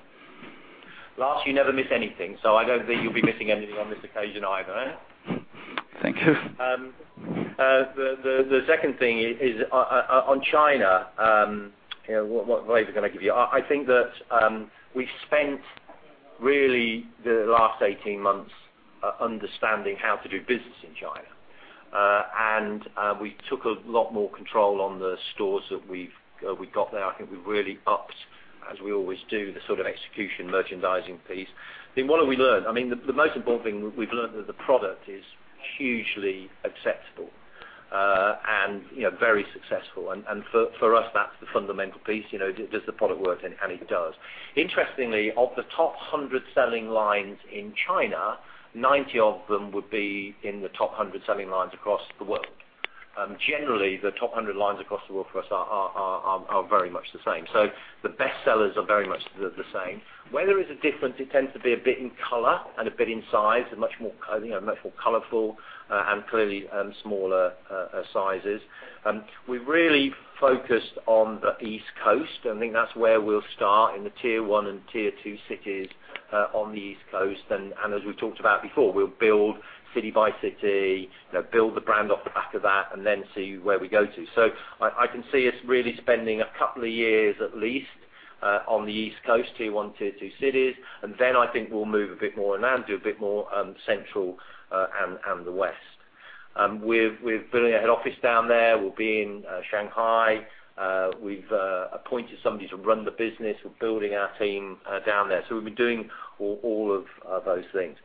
Lars, you never miss anything, so, I don't think you'll be missing anything on this occasion either. Thank you. The second thing is on China, you know, what way is going to give you? I think that we spent really the last 18 months understanding how to do business in China. And we took a lot more control on the stores that we've got there. I think we've really upped, as we always do, the sort of execution, merchandising piece. Then what have we learned? I mean, the most important thing, we've learned that the product is hugely acceptable, and, you know, very successful. And for us, that's the fundamental piece. You know, does the product work? And it does. Interestingly, of the top 100 selling lines in China, 90 of them would be in the top 100 selling lines across the world. Generally, the top 100 lines across the world for us are very much the same. So, the best sellers are very much the same. Where there is a difference, it tends to be a bit in color and a bit in size, and much more, you know, much more colorful and clearly smaller sizes. We've really focused on the East Coast, and I think that's where we'll start, in the tier 1 and tier 2 cities on the East Coast. And as we talked about before, we'll build city by city, build the brand off the back of that, and then see where we go to. So, I can see us really spending a couple of years, at least, on the East Coast, tier 1, tier 2 cities, and then I think we'll move a bit more inland, do a bit more central, and the west. We've building a head office down there. We'll be in Shanghai. We've appointed somebody to run the business. We're building our team down there. So, we've been doing all of those things.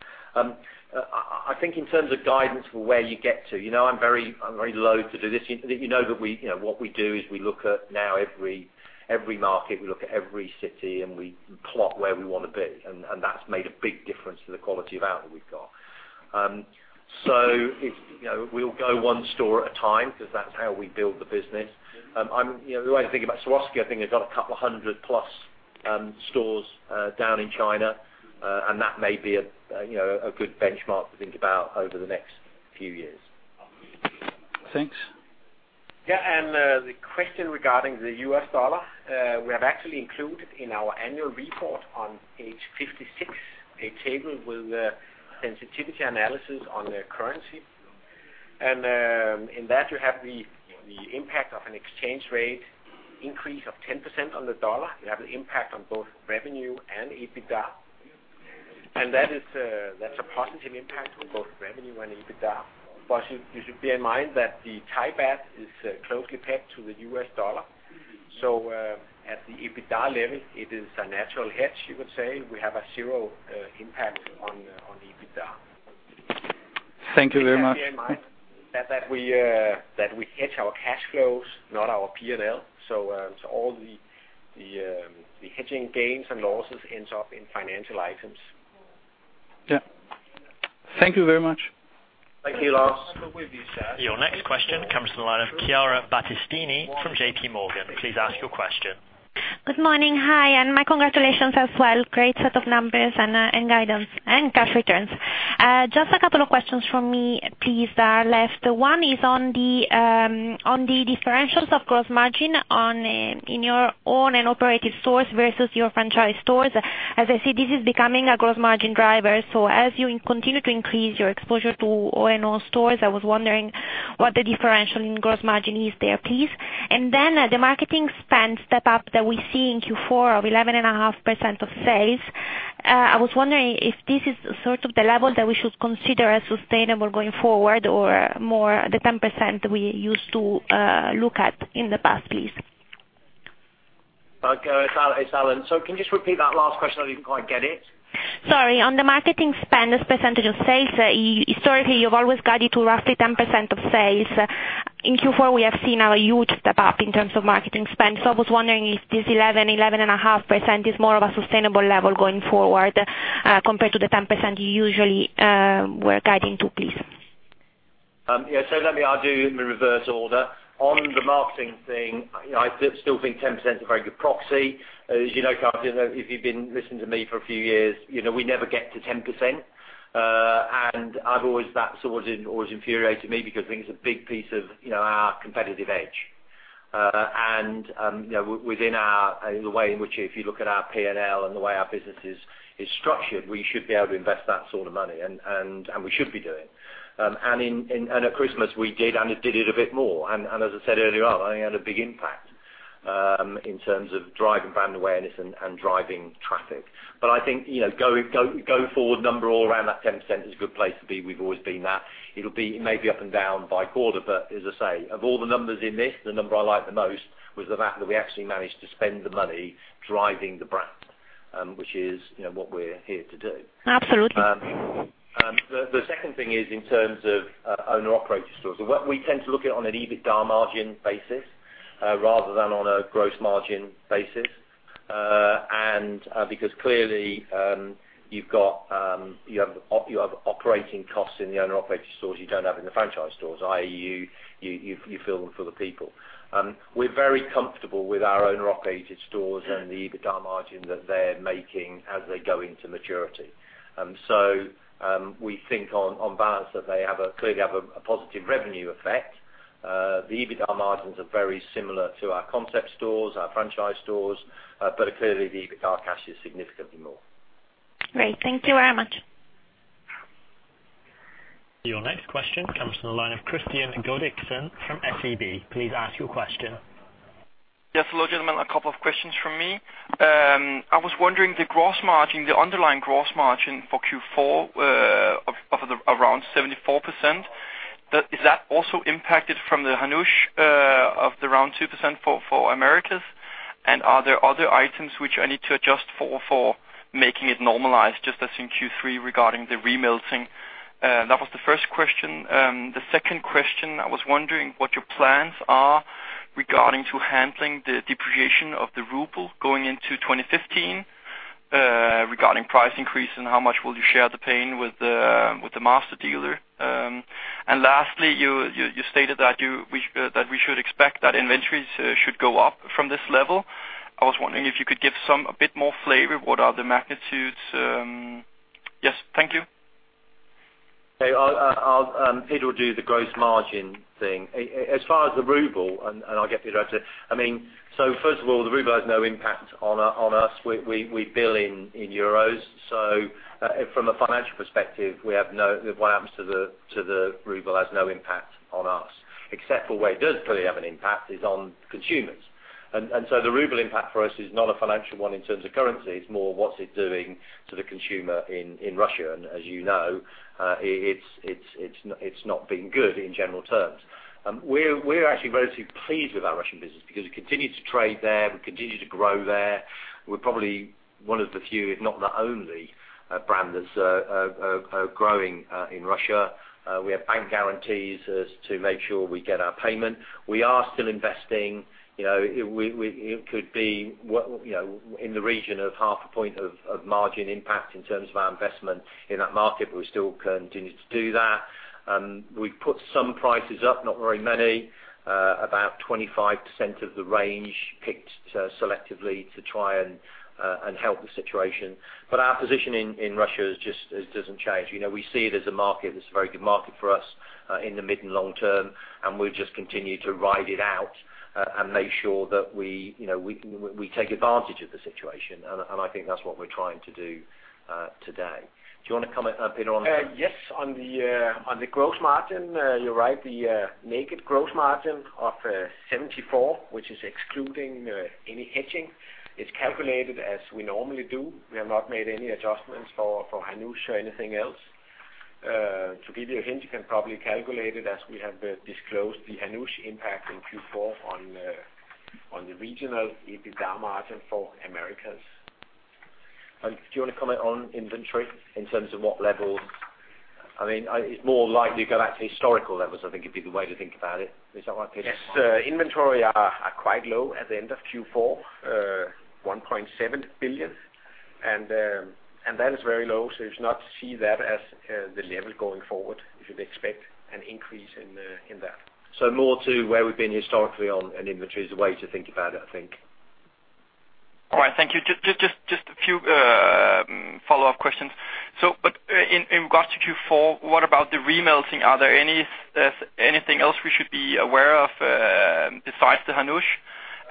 I think in terms of guidance for where you get to, you know, I'm very loathe to do this. You know that we... You know, what we do is we look at now every, every market, we look at every city, and we plot where we want to be, and, and that's made a big difference to the quality of our that we've got. So, if you know, we'll go one store at a time, because that's how we build the business. I'm, you know, the way to think about Swarovski, I think they've got 200+ stores down in China, and that may be a, you know, a good benchmark to think about over the next few years. Thanks. Yeah, and, the question regarding the US dollar, we have actually included in our annual report on page 56, a table with a sensitivity analysis on the currency. And, in that, you have the impact of an exchange rate increase of 10% on the dollar. You have an impact on both revenue and EBITDA, and that's a positive impact on both revenue and EBITDA. But you should bear in mind that the Thai baht is closely pegged to the US dollar. So, at the EBITDA level, it is a natural hedge, you would say. We have a 0 impact on the EBITDA. Thank you very much. Bear in mind that we hedge our cash flows, not our P&L. So, all the hedging gains and losses ends up in financial items. Yeah. Thank you very much. Thank you, Lars. Your next question comes from the line of Chiara Battistini from J.P. Morgan. Please ask your question. Good morning. Hi, and my congratulations as well. Great set of numbers and, and guidance and cash returns. Just a couple of questions from me, please, left. One is on the, on the differentials of gross margin on, in your owned and operated stores versus your franchise stores. As I said, this is becoming a gross margin driver. So, as you continue to increase your exposure to O&O stores, I was wondering what the differential in gross margin is there, please? And then, the marketing spends step up that we see in Q4 of 11.5% of sales, I was wondering if this is sort of the level that we should consider as sustainable going forward or more the 10% we used to, look at in the past, please? It's Allan. So, can you just repeat that last question? I didn't quite get it. Sorry. On the marketing spend, as a percentage of sales, historically, you've always guided to roughly 10% of sales. In Q4, we have seen now a huge step up in terms of marketing spend. So, I was wondering if this 11%-11.5% is more of a sustainable level going forward, compared to the 10% you usually were guiding to, please? Yeah, so let me... I'll do in the reverse order. On the marketing thing, you know, I still think 10% is a very good proxy. As you know, Chiara, if you've been listening to me for a few years, you know, we never get to 10%. And I've always, that sort of always infuriated me because I think it's a big piece of, you know, our competitive edge. You know, within our, the way in which if you look at our P&L and the way our business is structured, we should be able to invest that sort of money, and we should be doing. And at Christmas, we did, and it did it a bit more. And as I said earlier on, I think it had a big impact in terms of driving brand awareness and driving traffic. But I think, you know, going forward number all around that 10% is a good place to be. We've always been that. It'll be maybe up and down by quarter, but as I say, of all the numbers in this, the number I like the most was the fact that we actually managed to spend the money driving the brand, which is, you know, what we're here to do. Absolutely. And the second thing is in terms of owner-operated stores. So, what we tend to look at on an EBITDA margin basis, rather than on a gross margin basis, and because clearly, you've got, you have operating costs in the owner-operated stores, you don't have in the franchise stores, i.e., you fill them for the people. We're very comfortable with our owner-operated stores and the EBITDA margin that they're making as they go into maturity. So, we think on balance, that they clearly have a positive revenue effect. The EBITDA margins are very similar to our concept stores, our franchise stores, but clearly, the EBITDA cash is significantly more. Great. Thank you very much. Your next question comes from the line of Kristian Godiksen from SEB. Please ask your question. Yes, hello, gentlemen, a couple of questions from me. I was wondering, the gross margin, the underlying gross margin for Q4, of, of the around 74%, Is that also impacted from the Hannoush, of the around 2% for, for Americas? And are there other items which I need to adjust for, for making it normalized, just as in Q3, regarding the re-melting? That was the first question. The second question, I was wondering what your plans are regarding to handling the depreciation of the ruble going into 2015, regarding price increase, and how much will you share the pain with the, with the master dealer? And lastly, you stated that we should expect that inventories should go up from this level. I was wondering if you could give some a bit more flavor, what are the magnitudes. Yes, thank you. Hey, I'll, Peter will do the gross margin thing. As far as the ruble, and I'll get Peter out to it. I mean, so first of all, the ruble has no impact on us. We bill in euros. So, from a financial perspective, we have no impact. What happens to the ruble has no impact on us. Except for where it does clearly have an impact is on consumers. And so the ruble impact for us is not a financial one in terms of currency, it's more what's it doing to the consumer in Russia. And as you know, it's not been good in general terms. We're actually relatively pleased with our Russian business because we continue to trade there, we continue to grow there. We're probably one of the few, if not the only, brand that's growing in Russia. We have bank guarantees as to make sure we get our payment. We are still investing, you know, it could be what, you know, in the region of half a point of margin impact in terms of our investment in that market, but we still continue to do that. We've put some prices up, not very many, about 25% of the range picked, selectively to try and help the situation. But our position in Russia is just, it doesn't change. You know, we see it as a market that's a very good market for us, in the mid- and long term, and we just continue to ride it out, and make sure that we, you know, we, we take advantage of the situation, and, and I think that's what we're trying to do, today. Do you wanna comment, Peter, on that? Yes, on the gross margin, you're right, the naked gross margin of 74%, which is excluding any hedging, is calculated as we normally do. We have not made any adjustments for Hannoush or anything else. To give you a hint, you can probably calculate it as we have disclosed the Hannoush impact in Q4 on the regional EBITDA margin for Americas. Do you wanna comment on inventory in terms of what level? I mean, it's more likely to go back to historical levels, I think, would be the way to think about it. Is that right, Peter? Yes. Inventory is quite low at the end of Q4, 1.7 billion, and that is very low, so you should not see that as the level going forward. You should expect an increase in that. More to where we've been historically on an inventory is the way to think about it, I think. All right, thank you. Just a few follow-up questions. But in regard to Q4, what about the re-melting? Are there any anything else we should be aware of, besides the Hannoush?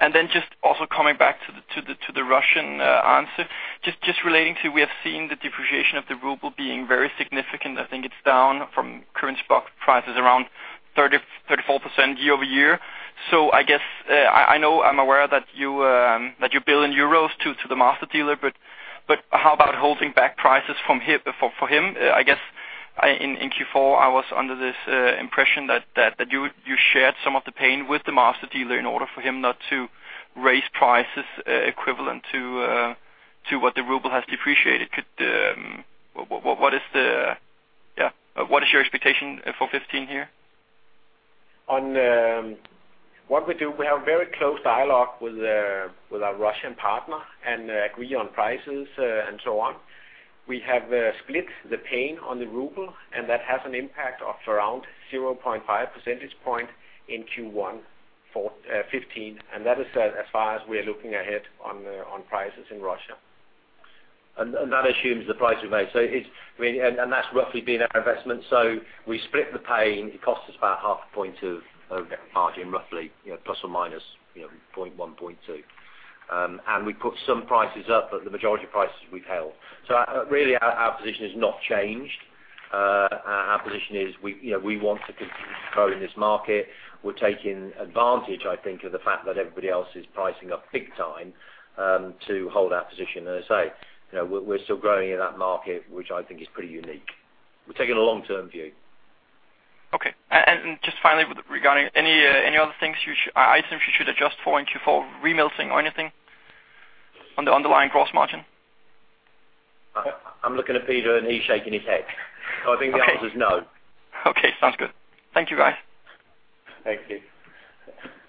And then just also coming back to the Russian answer, just relating to, we have seen the depreciation of the ruble being very significant. I think it's down from current spot prices, around 30%-34% year-over-year. So, I guess I know I'm aware that you bill in euros to the master dealer, but how about holding back prices from him for him? I guess, I... In Q4, I was under this impression that you shared some of the pain with the master dealer in order for him not to raise prices equivalent to what the ruble has depreciated. What is your expectation for 2015 here? On what we do, we have a very close dialogue with our Russian partner and agree on prices and so on. We have split the pain on the ruble, and that has an impact of around 0.5 percentage point in Q1 for 2015, and that is as far as we're looking ahead on prices in Russia. That assumes the price we made. So it's—I mean, that's roughly been our investment. So, we split the pain. It costs us about 0.5 point of margin, roughly, you know, ±0.1, 0.2. And we put some prices up, but the majority of prices we've held. So, really, our position has not changed. Our position is we, you know, we want to continue to grow in this market. We're taking advantage, I think, of the fact that everybody else is pricing up big time, to hold our position. As I say, you know, we're still growing in that market, which I think is pretty unique. We're taking a long-term view. Okay. And just finally, with regard to any other things or items you should adjust for in Q4 remelting or anything on the underlying gross margin? I'm looking at Peter, and he's shaking his head, so I think the answer is no. Okay, sounds good. Thank you, guys. Thank you.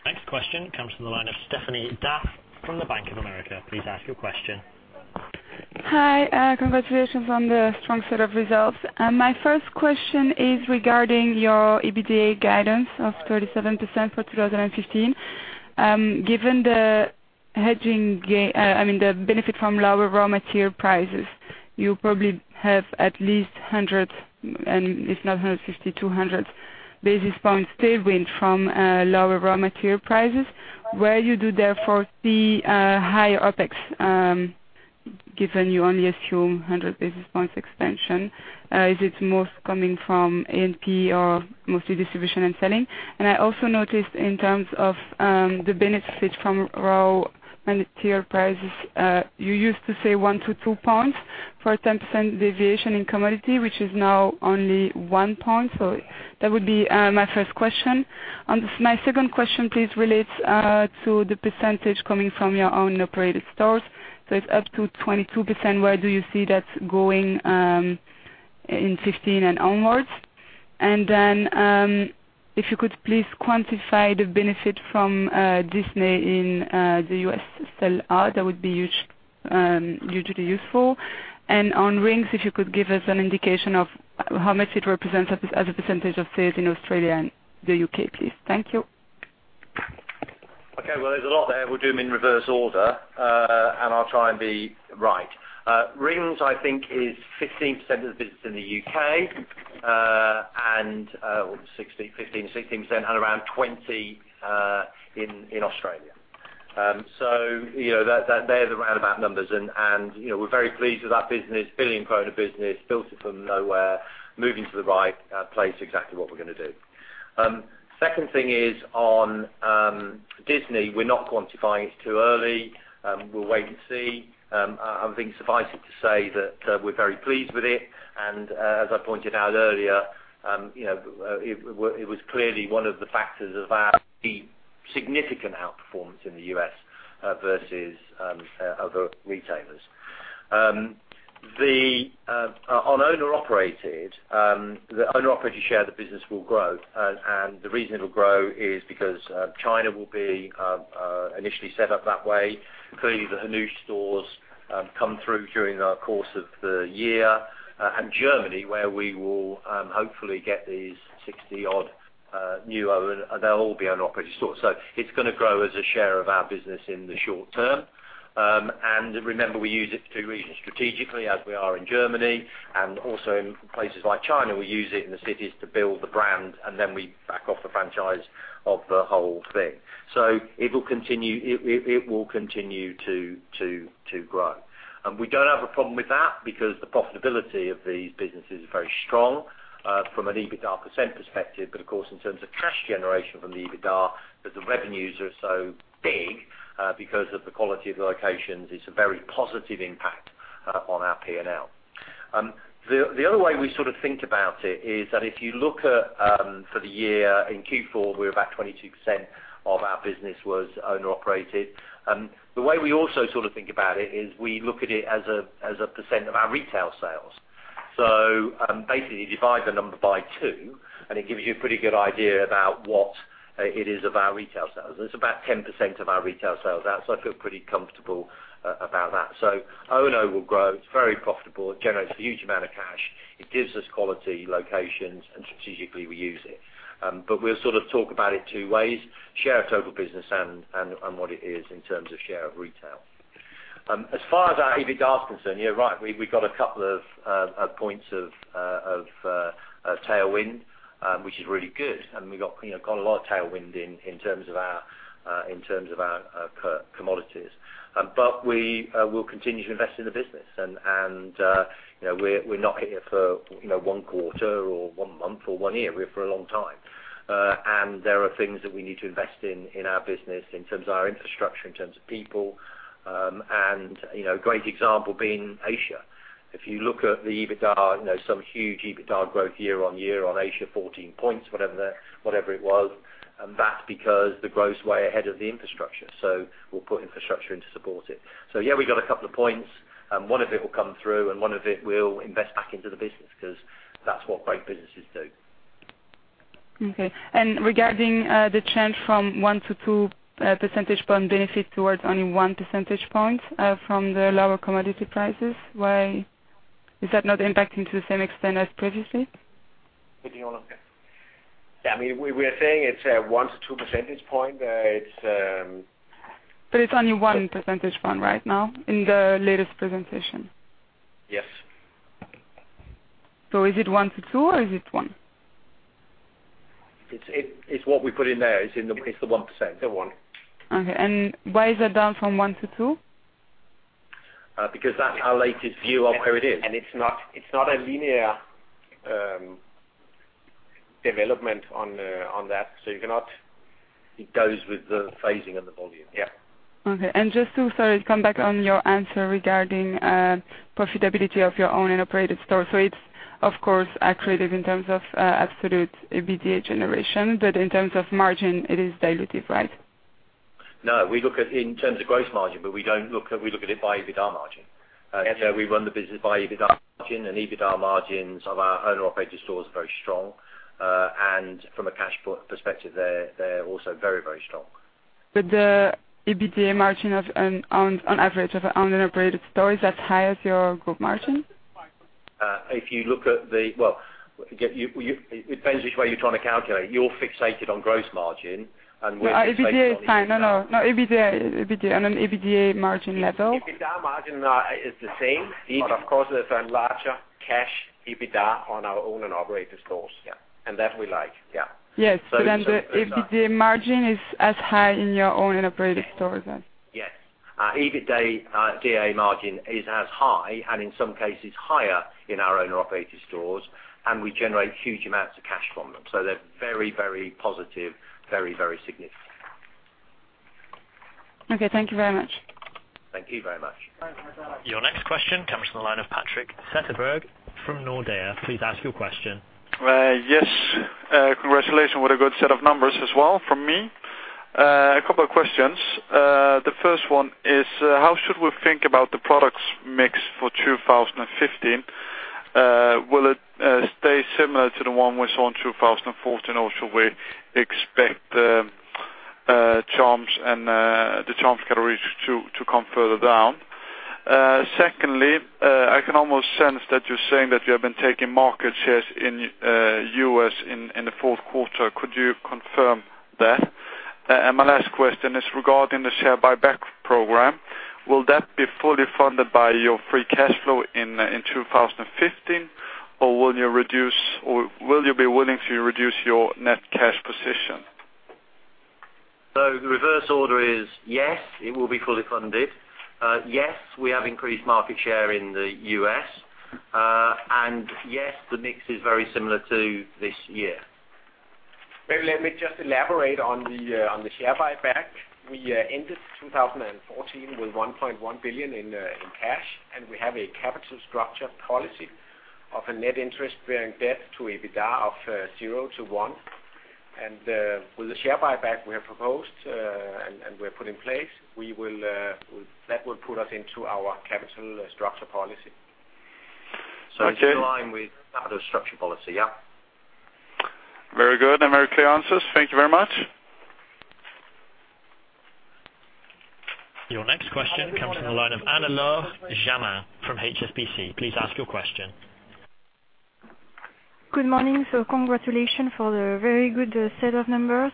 Next question comes from the line of Stephanie D'Ath from the Bank of America. Please ask your question. Hi, congratulations on the strong set of results. My first question is regarding your EBITDA guidance of 37% for 2015. Given the hedging gain... I mean, the benefit from lower raw material prices, you probably have at least 100, and if not 150, 200 basis points tailwinds from lower raw material prices. Where do you therefore see higher OpEx, given you only assume 100 basis points expansion? Is it more coming from A&P or mostly distribution and selling? And I also noticed in terms of the benefit from raw material prices, you used to say 1-2 points for a 10% deviation in commodity, which is now only 1 point. So, that would be my first question. My second question, please, relates to the percentage coming from your own operated stores. It's up to 22%. Where do you see that going in 2015 and onwards? And then, if you could please quantify the benefit from Disney in the U.S. sell out, that would be huge, hugely useful. And on rings, if you could give us an indication of how much it represents as a percentage of sales in Australia and the U.K., please. Thank you. Okay, well, there's a lot there. We'll do them in reverse order, and I'll try and be right. Rings, I think, is 15% of the business in the UK, and 16, 15, 16% and around 20 in Australia. So, you know, that, that, they are the round about numbers and, and you know, we're very pleased with that business. 1 billion pound of business built it from nowhere, moving to the right place, exactly what we're going to do. Second thing is on Disney, we're not quantifying. It's too early, we'll wait and see. I think suffice it to say that we're very pleased with it, and as I pointed out earlier, you know, it was clearly one of the factors of our significant outperformance in the U.S. versus other retailers. The owned and operated share of the business will grow, and the reason it will grow is because China will be initially set up that way. Clearly, the Hannoush stores come through during the course of the year, and Germany, where we will hopefully get these 60-odd new owned, they'll all be owned and operated stores. So, it's going to grow as a share of our business in the short term. And remember, we use it for two reasons, strategically, as we are in Germany, and also in places like China. We use it in the cities to build the brand, and then we back off the franchise of the whole thing. So, it will continue. It will continue to grow. And we don't have a problem with that because the profitability of these businesses is very strong from an EBITDA percent perspective. But of course, in terms of cash generation from the EBITDA, as the revenues are so big because of the quality of the locations, it's a very positive impact on our P&L. The other way we sort of think about it is that if you look at, for the year in Q4, we're about 22% of our business was owner operated. The way we also sort of think about it is we look at it as a, as a percent of our retail sales. So, basically you divide the number by 2, and it gives you a pretty good idea about what it is of our retail sales. It's about 10% of our retail sales-out, so I feel pretty comfortable about that. So, owner will grow. It's very profitable. It generates a huge amount of cash. It gives us quality locations, and strategically we use it. But we'll sort of talk about it two ways, share of total business and what it is in terms of share of retail. As far as our EBITDA is concerned, you're right. We've got a couple of points of tailwind, which is really good, and we've got, you know, a lot of tailwind in terms of our commodities. But we will continue to invest in the business, and you know, we're not here for one quarter or one month or one year. We're here for a long time. And there are things that we need to invest in our business in terms of our infrastructure, in terms of people, and you know, a great example being Asia. If you look at the EBITDA, you know, some huge EBITDA growth year-on-year on Asia, 14 points, whatever it was, and that's because the growth is way ahead of the infrastructure. We'll put infrastructure in to support it. Yeah, we got a couple of points, and one of it will come through, and one of it we'll invest back into the business because that's what great businesses do. Okay. And regarding the change from 1-2 percentage point benefit toward only 1 percentage point from the lower commodity prices, why is that not impacting to the same extent as previously? Could you want to... Yeah, I mean, we are saying it's a 1-2 percentage point. But it's only one percentage point right now in the latest presentation. Yes. Is it 1-2, or is it 1?... It's what we put in there. It's the 1%, the 1. Okay, why is that down from 1 to 2? Because that's our latest view of where it is. It's not a linear development on that, so you cannot- It goes with the phasing of the volume. Yeah. Okay. And just to, sorry, come back on your answer regarding profitability of your owner-operated store. So, it's of course, accretive in terms of absolute EBITDA generation, but in terms of margin, it is dilutive, right? No, we look at in terms of gross margin, but we don't look at, we look at it by EBITDA margin. So, we run the business by EBITDA margin, and EBITDA margins of our owned and operated stores are very strong. And from a cash flow perspective, they're, they're also very, very strong. But the EBITDA margin of an average owned and operated store, is that high as your group margin? If you look at the... Well, you, it depends which way you're trying to calculate. You're fixated on Gross Margin, and we're fixated on- No, no, no. No, EBITDA, EBITDA, on an EBITDA margin level. EBITDA margin is the same, but of course, there's a larger cash EBITDA on our owned and operated stores. Yeah. That we like. Yeah. Yes. So, then the EBITDA margin is as high in your owner-operated stores then? Yes. Our EBITDA margin is as high, and in some cases higher in our owner-operated stores, and we generate huge amounts of cash from them. So, they're very, very positive. Very, very significant. Okay, thank you very much. Thank you very much. Your next question comes from the line of Patrik Setterberg from Nordea. Please ask your question. Yes. Congratulations, what a good set of numbers as well from me. A couple of questions. The first one is, how should we think about the product mix for 2015? Will it stay similar to the one we saw in 2014, or should we expect the charms and the charms categories to come further down? Secondly, I can almost sense that you're saying that you have been taking market shares in the US in the fourth quarter. Could you confirm that? And my last question is regarding the share buyback program. Will that be fully funded by your free cash flow in 2015, or will you reduce, or will you be willing to reduce your net cash position? So, the reverse order is yes, it will be fully funded. Yes, we have increased market share in the US. And yes, the mix is very similar to this year. Maybe let me just elaborate on the, on the share buyback. We, ended 2014 with 1.1 billion in, in cash, and we have a capital structure policy of a net interest bearing debt to EBITDA of, 0-1. And, with the share buyback we have proposed, and, and we're putting in place, we will, that will put us into our capital structure policy. Thank you. In line with capital structure policy, yeah. Very good, and very clear answers. Thank you very much. Your next question comes from the line of Anne-Laure Bismuth from HSBC. Please ask your question. Good morning. So, congratulations for the very good set of numbers.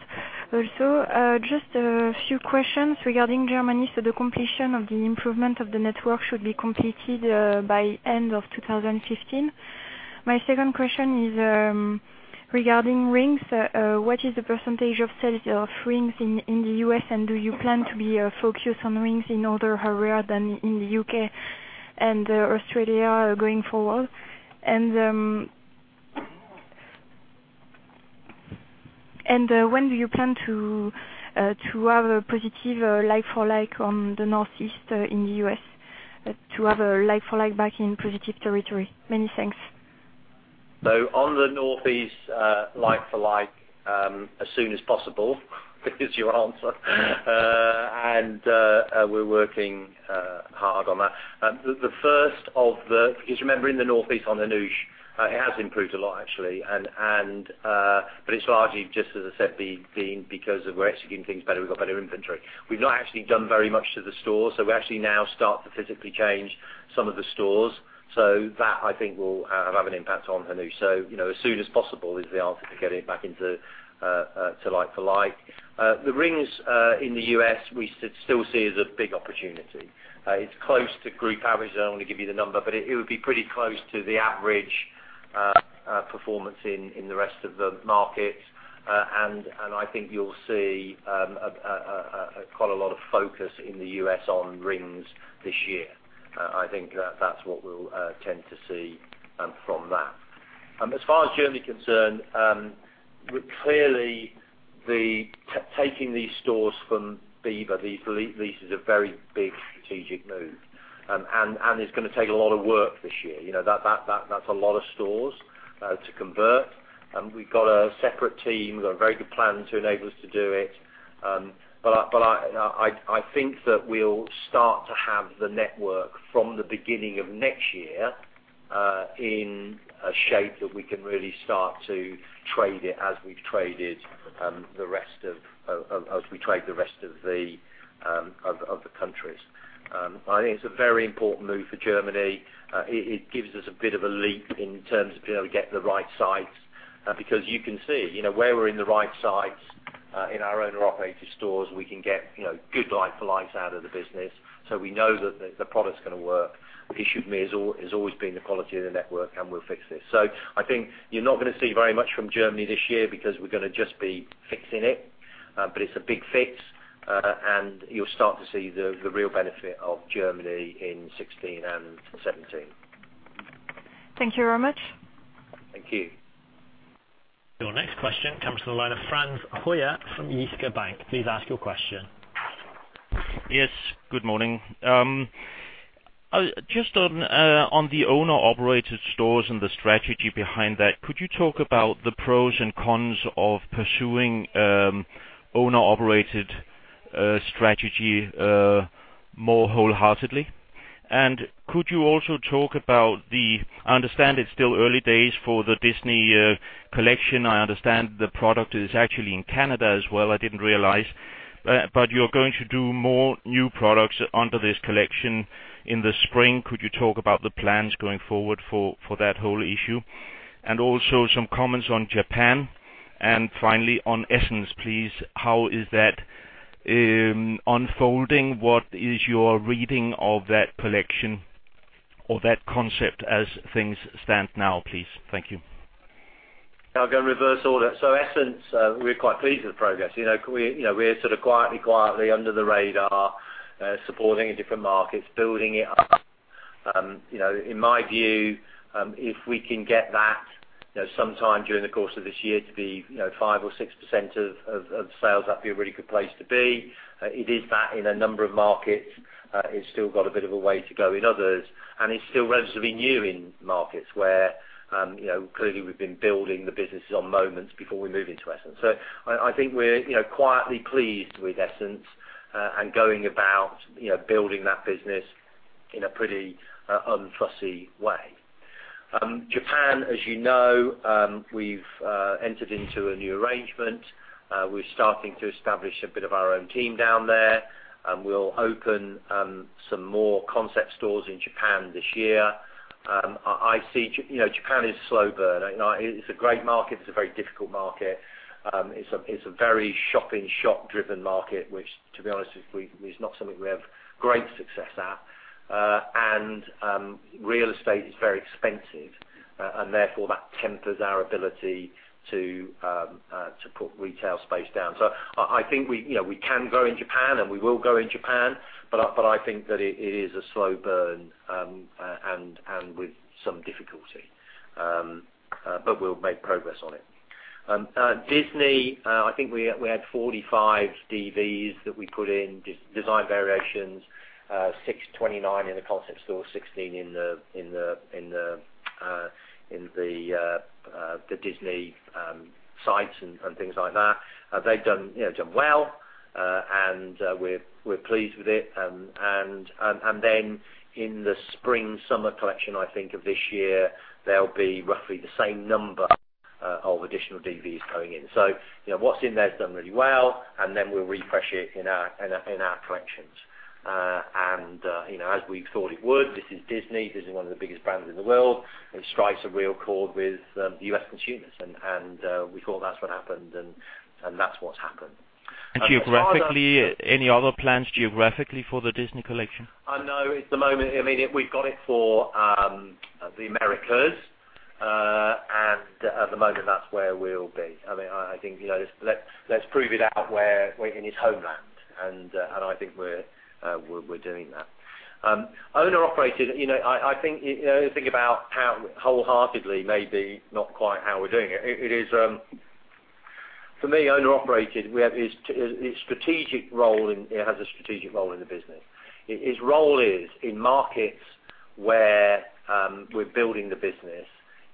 Also, just a few questions regarding Germany. So, the completion of the improvement of the network should be completed by end of 2015. My second question is regarding rings. What is the percentage of sales of rings in the U.S., and do you plan to be focused on rings in other areas than in the U.K. and Australia going forward? And when do you plan to have a positive like-for-like on the Northeast in the U.S.? To have a like-for-like back in positive territory. Many thanks. So, on the Northeast, like-for-like, as soon as possible is your answer. We're working hard on that. Because remember, in the Northeast, on the Hannoush, it has improved a lot, actually. But it's largely just, as I said, the because of we're executing things better, we've got better inventory. We've not actually done very much to the stores, so we're actually now start to physically change some of the stores. So, that, I think, will have an impact on Hannoush. So, you know, as soon as possible is the answer to get it back into, to like-for-like. The rings, in the US, we still see as a big opportunity. It's close to group average. I don't want to give you the number, but it would be pretty close to the average performance in the rest of the markets. And I think you'll see quite a lot of focus in the US on rings this year. I think that's what we'll tend to see from that. As far as Germany is concerned, clearly, the taking these stores from BiBA is a very big strategic move. And it's gonna take a lot of work this year. You know, that's a lot of stores to convert. And we've got a separate team, we've got a very good plan to enable us to do it. But I think that we'll start to have the network from the beginning of next year, in a shape that we can really start to trade it as we've traded the rest of as we trade the rest of the countries. I think it's a very important move for Germany. It gives us a bit of a leap in terms of being able to get the right sites, because you can see, you know, where we're in the right sites in our owner-operated stores, we can get, you know, good like-for-like out of the business, so, we know that the product's gonna work. The issue for me has always been the quality of the network, and we'll fix this. So, I think you're not gonna see very much from Germany this year because we're gonna just be fixing it. But it's a big fix, and you'll start to see the real benefit of Germany in 2016 and 2017. Thank you very much. Thank you. Your next question comes from the line of Frans Høyer from Jyske Bank. Please ask your question. Yes, good morning. Just on, on the owner-operated stores and the strategy behind that, could you talk about the pros and cons of pursuing, owner-operated, strategy, more wholeheartedly? And could you also talk about the... I understand it's still early days for the Disney Collection. I understand the product is actually in Canada as well, I didn't realize. But you're going to do more new products under this collection in the spring. Could you talk about the plans going forward for, for that whole issue? And also, some comments on Japan, and finally, on Essence, please, how is that, unfolding? What is your reading of that collection or that concept as things stand now, please? Thank you. I'll go in reverse order. So, essence we're quite pleased with the progress. You know, we, you know, we're sort of quietly, quietly under the radar, supporting in different markets, building it up. You know, in my view, if we can get that, you know, sometime during the course of this year to be, you know, 5% or 6% of, of, of sales, that'd be a really good place to be. It is that in a number of markets, it's still got a bit of a way to go in others, and it's still relatively new in markets where, you know, clearly, we've been building the businesses on Moments before we move into Essence. So, I think we're, you know, quietly pleased with Essence, and going about, you know, building that business in a pretty, unfussy way. Japan, as you know, we've entered into a new arrangement. We're starting to establish a bit of our own team down there, and we'll open some more Concept Stores in Japan this year. I see, you know, Japan is a slow burner. It's a great market. It's a very difficult market. It's a very shop-driven market, which, to be honest, is not something we have great success at. And real estate is very expensive, and therefore, that tempers our ability to put retail space down. So, I think we, you know, we can grow in Japan, and we will grow in Japan, but I think that it is a slow burn, and with some difficulty. But we'll make progress on it. Disney, I think we had 45 DVs that we put in, design variations, 629 in the concept store, 16 in the Disney sites and things like that. They've done, you know, done well, and we're pleased with it. And then in the spring, summer collection, I think of this year, there'll be roughly the same number of additional DVs going in. So you know, what's in there has done really well, and then we'll refresh it in our collections. And you know, as we thought it would, this is Disney. Disney is one of the biggest brands in the world. It strikes a real chord with the U.S. consumers, and we thought that's what happened, and that's what's happened. Geographically, any other plans geographically for the Disney Collection? No, it's the moment... I mean, we've got it for the Americas, and at the moment, that's where we'll be. I mean, I think, you know, let's prove it out, where in its homeland, and I think we're doing that. Owner-operated, you know, I think, you know, think about how wholeheartedly, maybe not quite how we're doing it. It is... For me, owner-operated, we have this strategic role, and it has a strategic role in the business. Its role is in markets where we're building the business,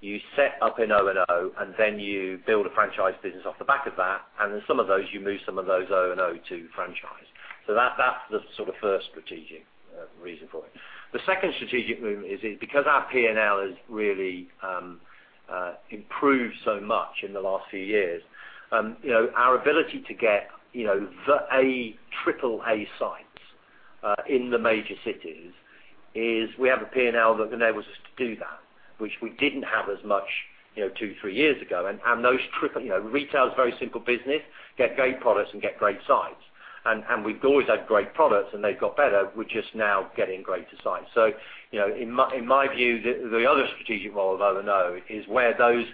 you set up an O&O, and then you build a franchise business off the back of that, and then some of those, you move some of those O&O to franchise. So that's the sort of first strategic reason for it. The second strategic movement is because our P&L has really improved so much in the last few years, you know, our ability to get, you know, the, a triple A sites in the major cities is we have a P&L that enables us to do that, which we didn't have as much, you know, two, three years ago. And those triple. You know, retail is a very simple business, get great products and get great sites. And we've always had great products, and they've got better. We're just now getting greater sites. So, you know, in my view, the other strategic role of O&O is where those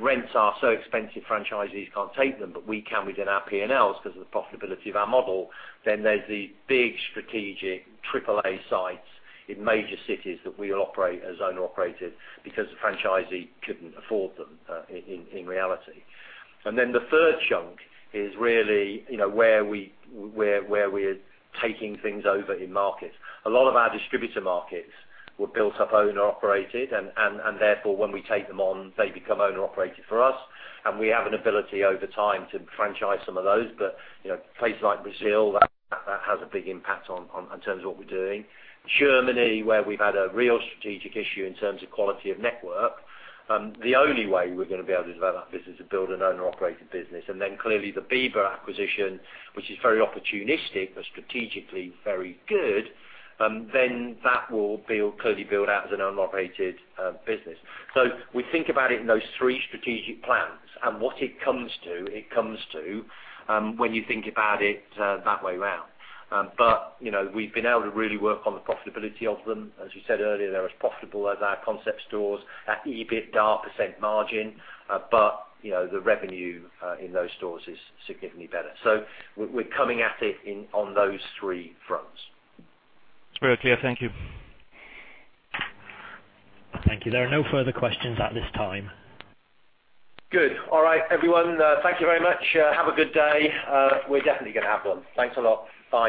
rents are so expensive, franchisees can't take them, but we can within our P&Ls because of the profitability of our model, then there's the big strategic triple A sites in major cities that we operate as owner-operated because the franchisee couldn't afford them in reality. And then the third chunk is really, you know, where we're taking things over in markets. A lot of our distributor markets were built up owner-operated, and therefore, when we take them on, they become owner-operated for us, and we have an ability over time to franchise some of those. But, you know, places like Brazil that has a big impact on in terms of what we're doing. Germany, where we've had a real strategic issue in terms of quality of network, the only way we're gonna be able to develop that business is build an owner-operated business. And then clearly, the BiBA acquisition, which is very opportunistic but strategically very good, then that will build, clearly build out as an owner-operated business. So we think about it in those three strategic plans, and what it comes to, it comes to, when you think about it, that way around. But, you know, we've been able to really work on the profitability of them. As you said earlier, they're as profitable as our concept stores at EBITDA % margin, but, you know, the revenue in those stores is significantly better. So we're coming at it in, on those three fronts. Very clear. Thank you. Thank you. There are no further questions at this time. Good. All right, everyone, thank you very much. Have a good day. We're definitely gonna have one. Thanks a lot. Bye.